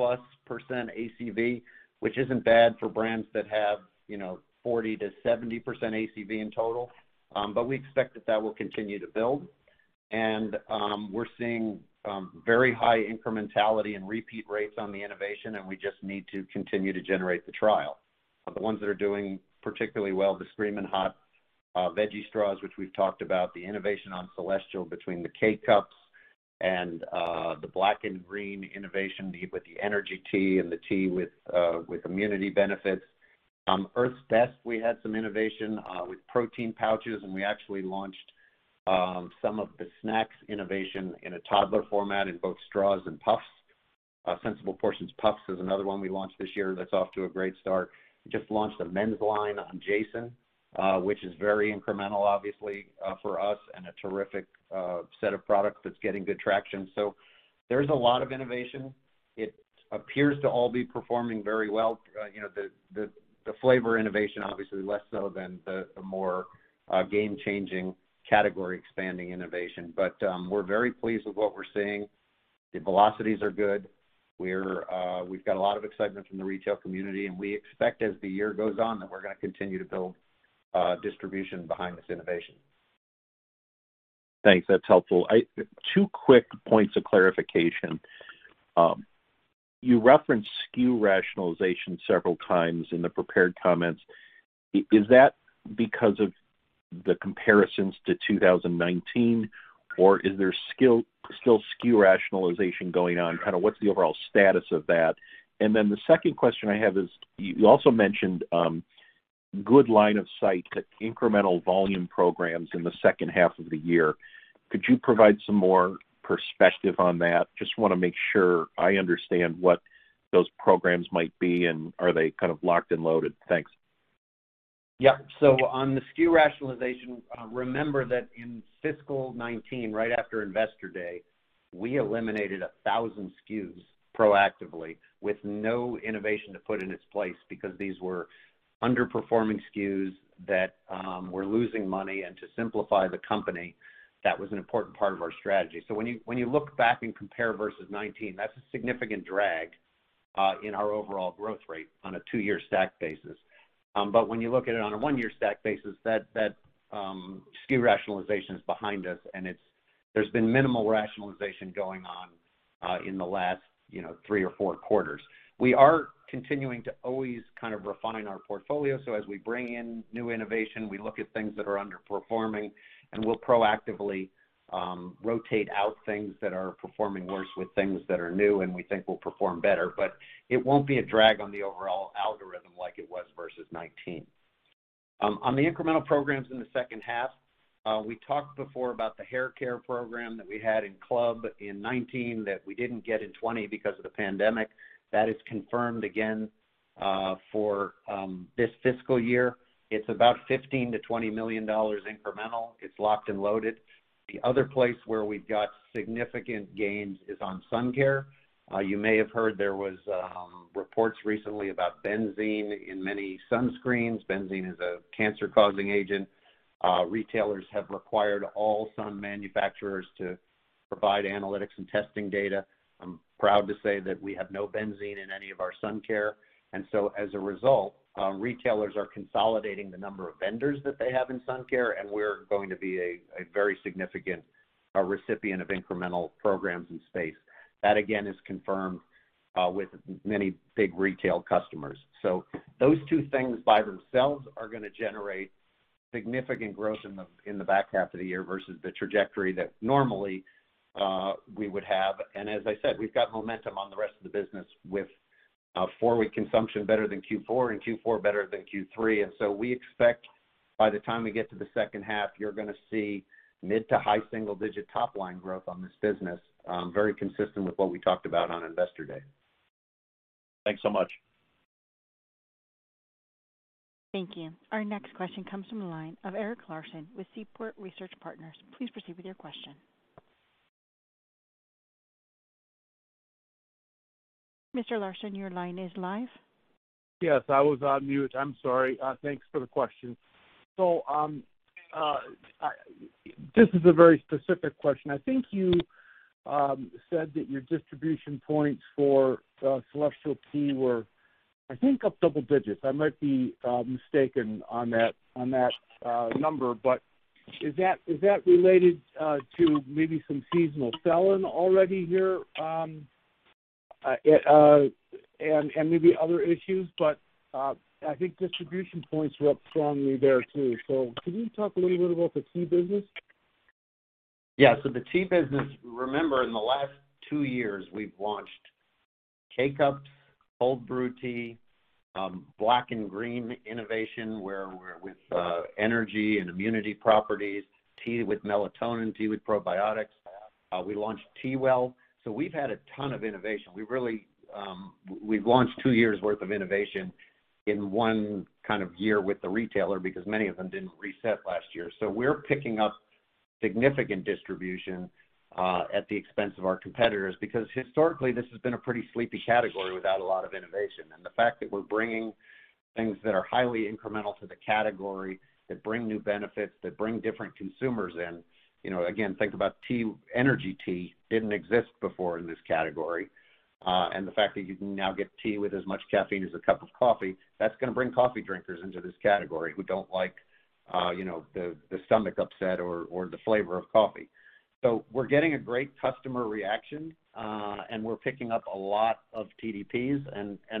ACV, which isn't bad for brands that have 40%-70% ACV in total. We expect that will continue to build. We're seeing very high incrementality and repeat rates on the innovation, and we just need to continue to generate the trial. The ones that are doing particularly well, the Screamin' Hot Veggie Straws, which we've talked about, the innovation on Celestial between the K-Cups and the black and green innovation with the energy tea and the tea with immunity benefits. Earth's Best, we had some innovation with protein pouches, and we actually launched some of the snacks innovation in a toddler format in both straws and puffs. Sensible Portions Puffs is another one we launched this year that's off to a great start. We just launched a men's line on JASON, which is very incremental, obviously, for us and a terrific set of products that's getting good traction. There's a lot of innovation. It appears to all be performing very well. The flavor innovation, obviously less so than the more game-changing category expanding innovation. We're very pleased with what we're seeing. The velocities are good. We've got a lot of excitement from the retail community, and we expect as the year goes on, that we're going to continue to build distribution behind this innovation. Thanks. That's helpful. Two quick points of clarification. You referenced SKU rationalization several times in the prepared comments. Is that because of the comparisons to 2019, or is there still SKU rationalization going on? Kind of what's the overall status of that? The second question I have is, you also mentioned good line of sight to incremental volume programs in the second half of the year. Could you provide some more perspective on that? Just want to make sure I understand what those programs might be and are they kind of locked and loaded? Thanks. On the SKU rationalization, remember that in fiscal 2019, right after Investor Day, we eliminated 1,000 SKUs proactively with no innovation to put in its place because these were underperforming SKUs that were losing money, and to simplify the company, that was an important part of our strategy. When you look back and compare versus 2019, that's a significant drag in our overall growth rate on a two-year stack basis. When you look at it on a one-year stack basis, that SKU rationalization is behind us and there's been minimal rationalization going on in the last three or four quarters. We are continuing to always kind of refine our portfolio, so as we bring in new innovation, we look at things that are underperforming, and we'll proactively rotate out things that are performing worse with things that are new and we think will perform better. It won't be a drag on the overall algorithm like it was versus 2019. On the incremental programs in the second half, we talked before about the haircare program that we had in club in 2019 that we didn't get in 2020 because of the pandemic. That is confirmed again for this fiscal year. It's about $15 million-$20 million incremental. It's locked and loaded. The other place where we've got significant gains is on sun care. You may have heard there was reports recently about benzene in many sunscreens. Benzene is a cancer-causing agent. Retailers have required all sun manufacturers to provide analytics and testing data. I'm proud to say that we have no benzene in any of our sun care. As a result, retailers are consolidating the number of vendors that they have in sun care, and we're going to be a very significant recipient of incremental programs and space. That, again, is confirmed with many big retail customers. Those two things by themselves are gonna generate significant growth in the back half of the year versus the trajectory that normally we would have. As I said, we've got momentum on the rest of the business with four-week consumption better than Q4 and Q4 better than Q3. We expect by the time we get to the second half, you're gonna see mid to high single-digit top-line growth on this business, very consistent with what we talked about on Investor Day. Thanks so much. Thank you. Our next question comes from the line of Eric Larson with Seaport Research Partners. Please proceed with your question. Mr. Larson, your line is live. Yes, I was on mute. I'm sorry. Thanks for the question. This is a very specific question. I think you said that your distribution points for Celestial tea were, I think, up double digits. I might be mistaken on that number, is that related to maybe some seasonal selling already here, and maybe other issues? I think distribution points were up strongly there too. Can you talk a little bit about the tea business? Yeah. The tea business, remember in the last two years, we've launched K-Cup, cold brew tea, black and green innovation where with energy and immunity properties, tea with melatonin, tea with probiotics. We launched TeaWell. We've had a ton of innovation. We've launched two years worth of innovation in one kind of year with the retailer because many of them didn't reset last year. We're picking up significant distribution, at the expense of our competitors, because historically, this has been a pretty sleepy category without a lot of innovation. The fact that we're bringing things that are highly incremental to the category, that bring new benefits, that bring different consumers in, again, think about energy tea, didn't exist before in this category. The fact that you can now get tea with as much caffeine as a cup of coffee, that's gonna bring coffee drinkers into this category who don't like the stomach upset or the flavor of coffee. We're getting a great customer action, and we're picking up a lot of TDPs.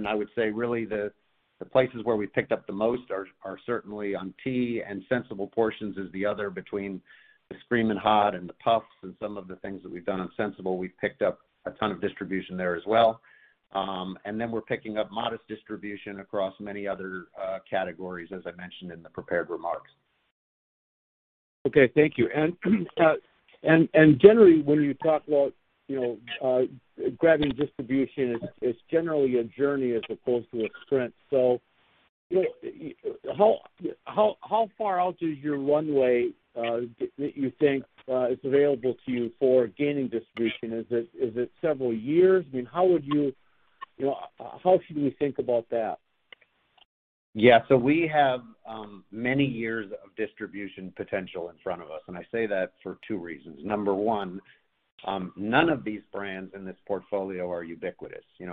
I would say really the places where we've picked up the most are certainly on tea and Sensible Portions is the other between the Screamin' Hot and the Puffs and some of the things that we've done on Sensible, we've picked up a ton of distribution there as well. We're picking up modest distribution across many other categories as I mentioned in the prepared remarks. Okay, thank you. Generally when you talk about grabbing distribution, it's generally a journey as opposed to a sprint. How far out is your runway that you think is available to you for gaining distribution? Is it several years? How should we think about that? We have many years of distribution potential in front of us, and I say that for two reasons. Number one, none of these brands in this portfolio are ubiquitous. When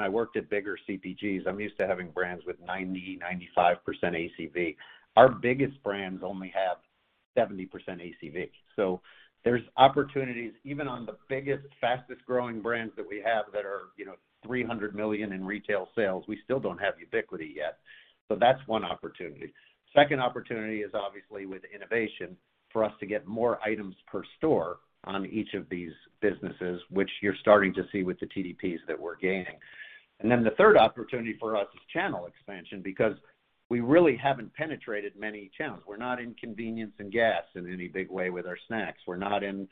I worked at bigger CPGs, I'm used to having brands with 90%-95% ACV. Our biggest brands only have 70% ACV. There's opportunities even on the biggest, fastest growing brands that we have that are $300 million in retail sales, we still don't have ubiquity yet. That's one opportunity. Second opportunity is obviously with innovation for us to get more items per store on each of these businesses, which you're starting to see with the TDPs that we're gaining. The third opportunity for us is channel expansion because we really haven't penetrated many channels. We're not in convenience and gas in any big way with our snacks. We're not in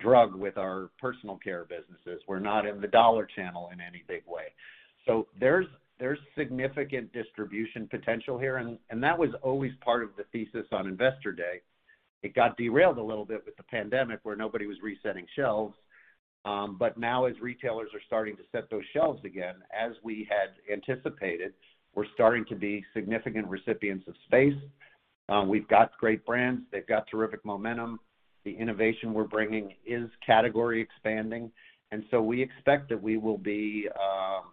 drug with our personal care businesses. We're not in the dollar channel in any big way. There's significant distribution potential here, and that was always part of the thesis on Investor Day. It got derailed a little bit with the pandemic where nobody was resetting shelves. Now as retailers are starting to set those shelves again, as we had anticipated, we're starting to be significant recipients of space. We've got great brands. They've got terrific momentum. The innovation we're bringing is category expanding. We expect that we will be,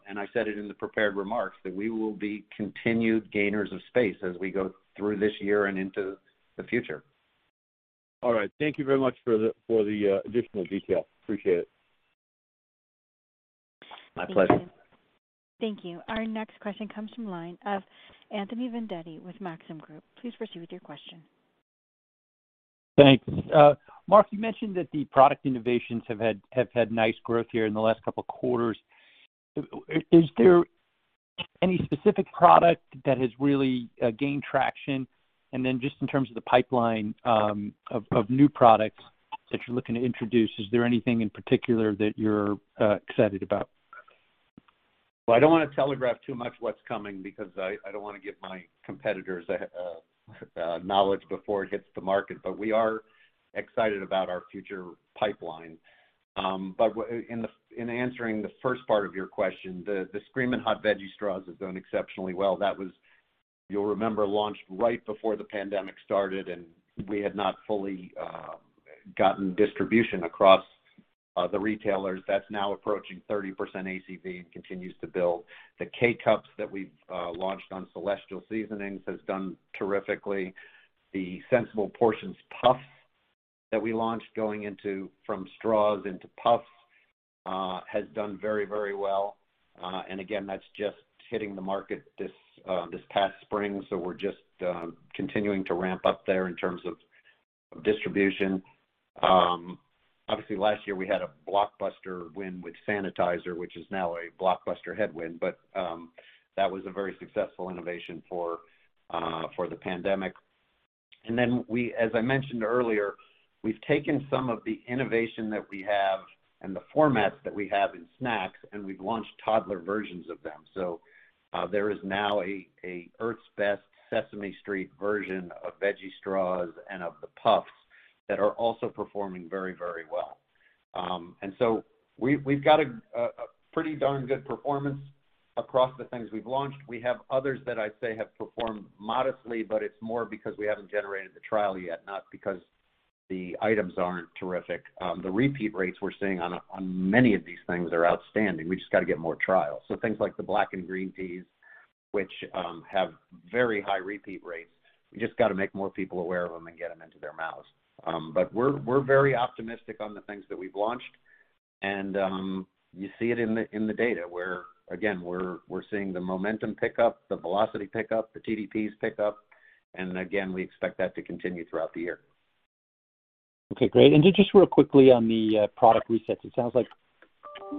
and I said it in the prepared remarks, that we will be continued gainers of space as we go through this year and into the future. All right. Thank you very much for the additional detail. Appreciate it. My pleasure. Thank you. Our next question comes from the line of Anthony Vendetti with Maxim Group. Please proceed with your question. Thanks. Mark, you mentioned that the product innovations have had nice growth here in the last couple of quarters. Is there any specific product that has really gained traction? Just in terms of the pipeline of new products that you're looking to introduce, is there anything in particular that you're excited about? Well, I don't want to telegraph too much what's coming because I don't want to give my competitors knowledge before it hits the market, but we are excited about our future pipeline. In answering the first part of your question, the Screamin' Hot Veggie Straws has done exceptionally well. That was, you'll remember, launched right before the pandemic started, and we had not fully gotten distribution across the retailers. That's now approaching 30% ACV and continues to build. The K-Cups that we've launched on Celestial Seasonings has done terrifically. The Sensible Portions Puffs that we launched going from straws into puffs has done very well. Again, that's just hitting the market this past spring, so we're just continuing to ramp up there in terms of distribution. Obviously, last year we had a blockbuster win with sanitizer, which is now a blockbuster headwind. That was a very successful innovation for the pandemic. Then as I mentioned earlier, we've taken some of the innovation that we have and the formats that we have in snacks, and we've launched toddler versions of them. There is now a Earth's Best Sesame Street version of Veggie Straws and of the Puffs that are also performing very well. We've got a pretty darn good performance across the things we've launched. We have others that I'd say have performed modestly, but it's more because we haven't generated the trial yet, not because the items aren't terrific. The repeat rates we're seeing on many of these things are outstanding. We've just got to get more trials. Things like the black and green teas, which have very high repeat rates, we just got to make more people aware of them and get them into their mouths. We're very optimistic on the things that we've launched, and you see it in the data where, again, we're seeing the momentum pick up, the velocity pick up, the TDPs pick up, and again, we expect that to continue throughout the year. Okay, great. Just real quickly on the product resets, it sounds like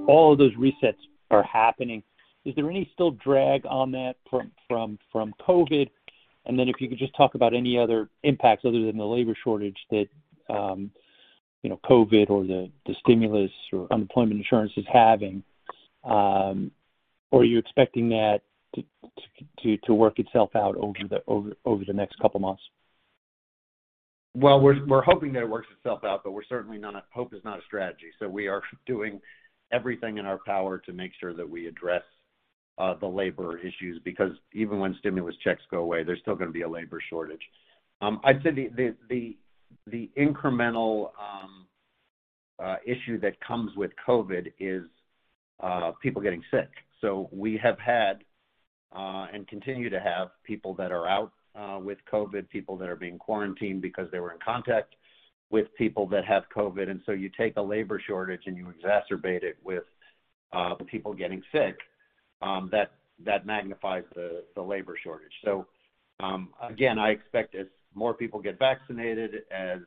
all of those resets are happening. Is there any still drag on that from COVID? If you could just talk about any other impacts other than the labor shortage that COVID or the stimulus or unemployment insurance is having. Are you expecting that to work itself out over the next couple of months? Well, we're hoping that it works itself out, but hope is not a strategy. We are doing everything in our power to make sure that we address the labor issues, because even when stimulus checks go away, there's still going to be a labor shortage. I'd say the incremental issue that comes with COVID is people getting sick. We have had and continue to have people that are out with COVID, people that are being quarantined because they were in contact with people that have COVID. You take a labor shortage and you exacerbate it with people getting sick, that magnifies the labor shortage. Again, I expect as more people get vaccinated, as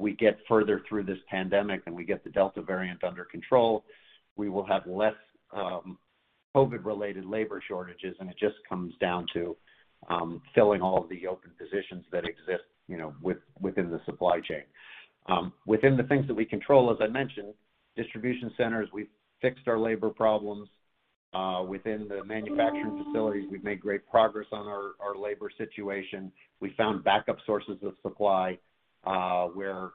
we get further through this pandemic, and we get the Delta variant under control, we will have less COVID-related labor shortages, and it just comes down to filling all of the open positions that exist within the supply chain. Within the things that we control, as I mentioned, distribution centers, we've fixed our labor problems. Within the manufacturing facilities, we've made great progress on our labor situation. We found backup sources of supply where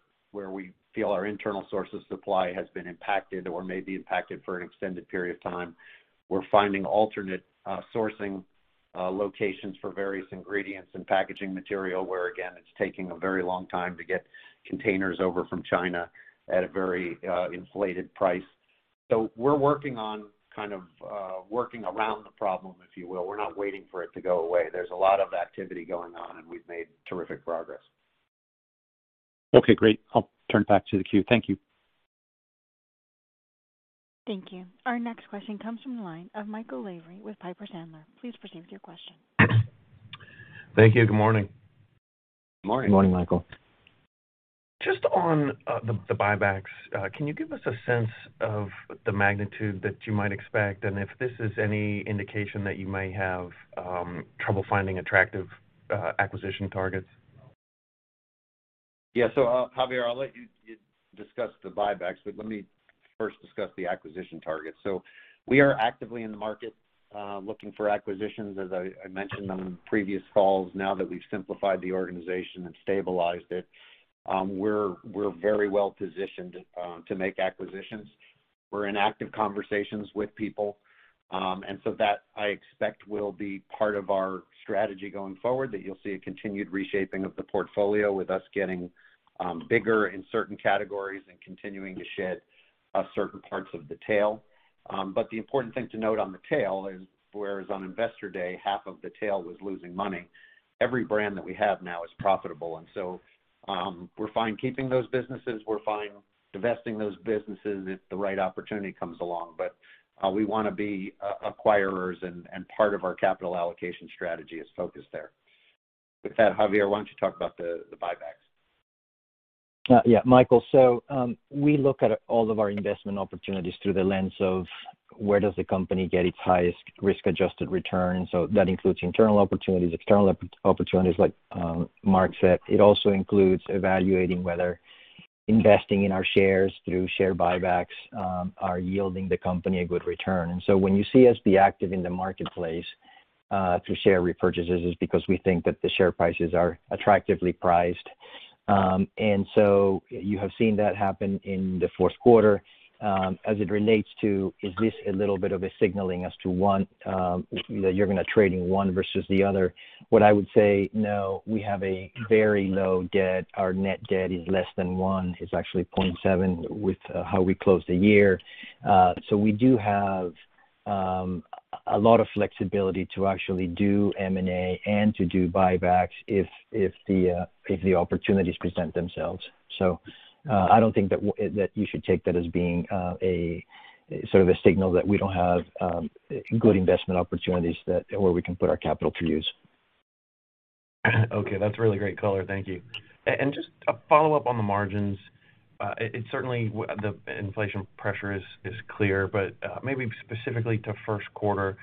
we feel our internal source of supply has been impacted or may be impacted for an extended period of time. We're finding alternate sourcing locations for various ingredients and packaging material where, again, it's taking a very long time to get containers over from China at a very inflated price. We're working on kind of working around the problem, if you will. We're not waiting for it to go away. There's a lot of activity going on, and we've made terrific progress. Okay, great. I'll turn it back to the queue. Thank you. Thank you. Our next question comes from the line of Michael Lavery with Piper Sandler. Please proceed with your question. Thank you. Good morning. Good morning. Good morning, Michael. On the buybacks, can you give us a sense of the magnitude that you might expect, and if this is any indication that you may have trouble finding attractive acquisition targets? Javier, I'll let you discuss the buybacks, but let me first discuss the acquisition targets. We are actively in the market looking for acquisitions. As I mentioned on previous calls, now that we've simplified the organization and stabilized it, we're very well-positioned to make acquisitions. We're in active conversations with people. That, I expect, will be part of our strategy going forward, that you'll see a continued reshaping of the portfolio with us getting bigger in certain categories and continuing to shed certain parts of the tail. The important thing to note on the tail is, whereas on Investor Day, half of the tail was losing money, every brand that we have now is profitable. We're fine keeping those businesses. We're fine divesting those businesses if the right opportunity comes along. We want to be acquirers, and part of our capital allocation strategy is focused there. With that, Javier, why don't you talk about the buybacks? Michael, we look at all of our investment opportunities through the lens of where does the company get its highest risk-adjusted return. That includes internal opportunities, external opportunities, like Mark said. It also includes evaluating whether investing in our shares through share buybacks are yielding the company a good return. When you see us be active in the marketplace through share repurchases, it's because we think that the share prices are attractively priced. You have seen that happen in the fourth quarter. As it relates to, is this a little bit of a signaling as to one, that you're going to trade in one versus the other? What I would say, no, we have a very low debt. Our net debt is less than one. It's actually 0.7 with how we closed the year. We do have a lot of flexibility to actually do M&A and to do buybacks if the opportunities present themselves. I don't think that you should take that as being sort of a signal that we don't have good investment opportunities where we can put our capital to use. Okay. That's a really great color. Thank you. Just a follow-up on the margins. It certainly, the inflation pressure is clear, but maybe specifically to first quarter,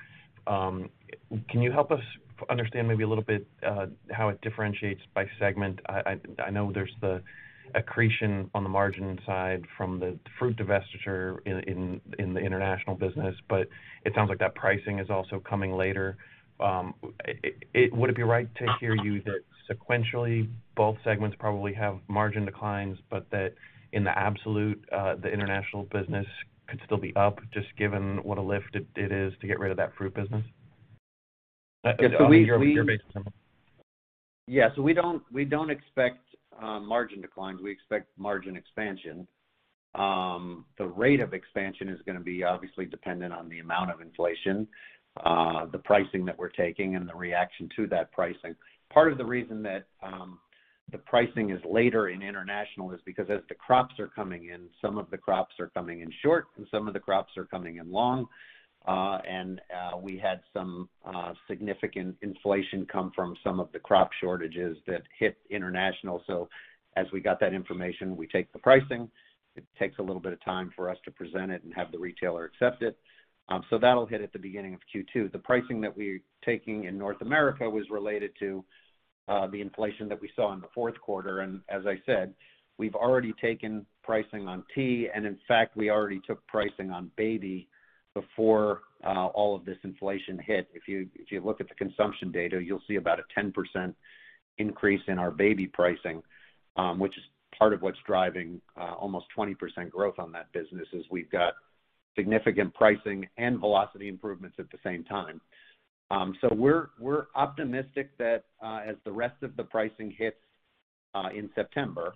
can you help us understand maybe a little bit how it differentiates by segment? I know there's the accretion on the margin side from the fruit divestiture in the international business, but it sounds like that pricing is also coming later. Would it be right to hear you that sequentially, both segments probably have margin declines, but that in the absolute, the international business could still be up just given what a lift it is to get rid of that fruit business? Yeah. Year-over-year basis. Yeah. We don't expect margin declines. We expect margin expansion. The rate of expansion is going to be obviously dependent on the amount of inflation, the pricing that we're taking, and the reaction to that pricing. Part of the reason that the pricing is later in international is because as the crops are coming in, some of the crops are coming in short, and some of the crops are coming in long. We had some significant inflation come from some of the crop shortages that hit international. As we got that information, we take the pricing. It takes a little bit of time for us to present it and have the retailer accept it. That'll hit at the beginning of Q2. The pricing that we're taking in North America was related to the inflation that we saw in the fourth quarter. As I said, we've already taken pricing on tea, and in fact, we already took pricing on baby before all of this inflation hit. If you look at the consumption data, you'll see about a 10% increase in our baby pricing, which is part of what's driving almost 20% growth on that business, is we've got significant pricing and velocity improvements at the same time. We're optimistic that as the rest of the pricing hits in September,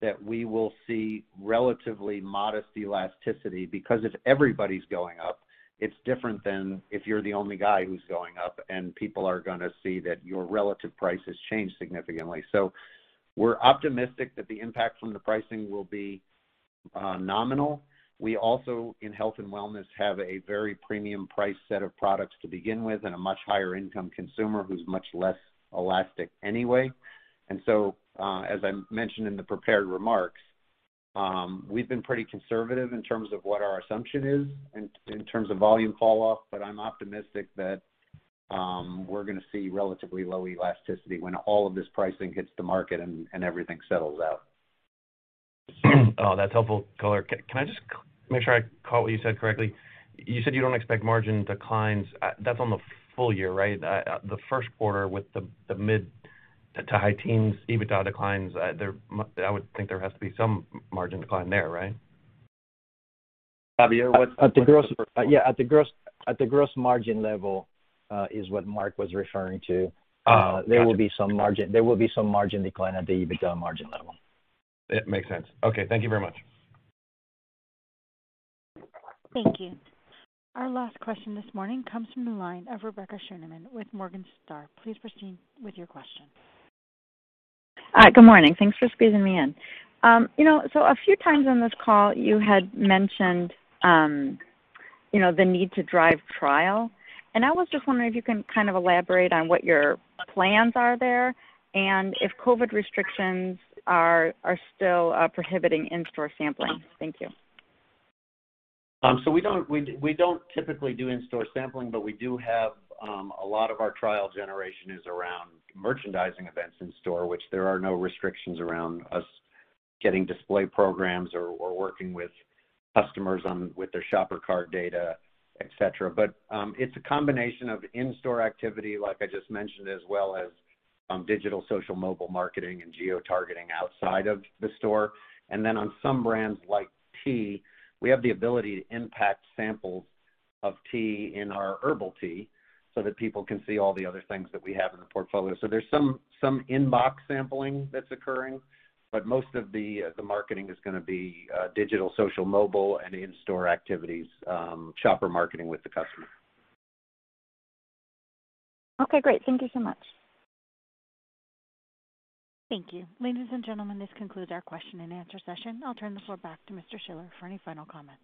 that we will see relatively modest elasticity because if everybody's going up, it's different than if you're the only guy who's going up and people are going to see that your relative price has changed significantly. We're optimistic that the impact from the pricing will be nominal. We also, in health and wellness, have a very premium price set of products to begin with and a much higher income consumer who's much less elastic anyway. As I mentioned in the prepared remarks, we've been pretty conservative in terms of what our assumption is in terms of volume falloff, but I'm optimistic that we're going to see relatively low elasticity when all of this pricing hits the market and everything settles out. Oh, that's helpful color. Can I just make sure I caught what you said correctly? You said you don't expect margin declines. That's on the full year, right? The first quarter with the mid to high teens, EBITDA declines. I would think there has to be some margin decline there, right? Javier? At the gross margin level is what Mark was referring to. There will be some margin decline at the EBITDA margin level. That makes sense. Okay. Thank you very much. Thank you. Our last question this morning comes from the line of Rebecca Scheuneman with Morningstar. Please proceed with your question. Good morning. Thanks for squeezing me in. A few times on this call, you had mentioned the need to drive trial, and I was just wondering if you can kind of elaborate on what your plans are there and if COVID restrictions are still prohibiting in-store sampling. Thank you. We don't typically do in-store sampling, but we do have a lot of our trial generation is around merchandising events in store, which there are no restrictions around us getting display programs or working with customers with their shopper card data, et cetera. It's a combination of in-store activity, like I just mentioned, as well as digital, social, mobile marketing and geotargeting outside of the store. On some brands like tea, we have the ability to impact samples of tea in our herbal tea so that people can see all the other things that we have in the portfolio. There's some in-box sampling that's occurring, but most of the marketing is gonna be digital, social, mobile, and in-store activities, shopper marketing with the customer. Okay, great. Thank you so much. Thank you. Ladies and gentlemen, this concludes our question and answer session. I'll turn the floor back to Mr. Schiller for any final comments.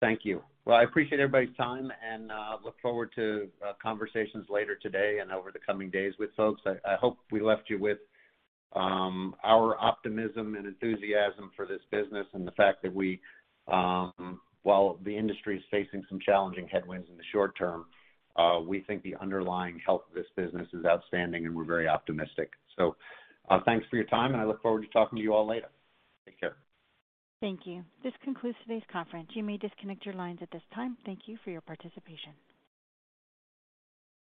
Thank you. Well, I appreciate everybody's time, and I look forward to conversations later today and over the coming days with folks. I hope we left you with our optimism and enthusiasm for this business and the fact that while the industry is facing some challenging headwinds in the short term, we think the underlying health of this business is outstanding, and we're very optimistic. Thanks for your time, and I look forward to talking to you all later. Take care. Thank you. This concludes today's conference. You may disconnect your lines at this time. Thank you for your participation.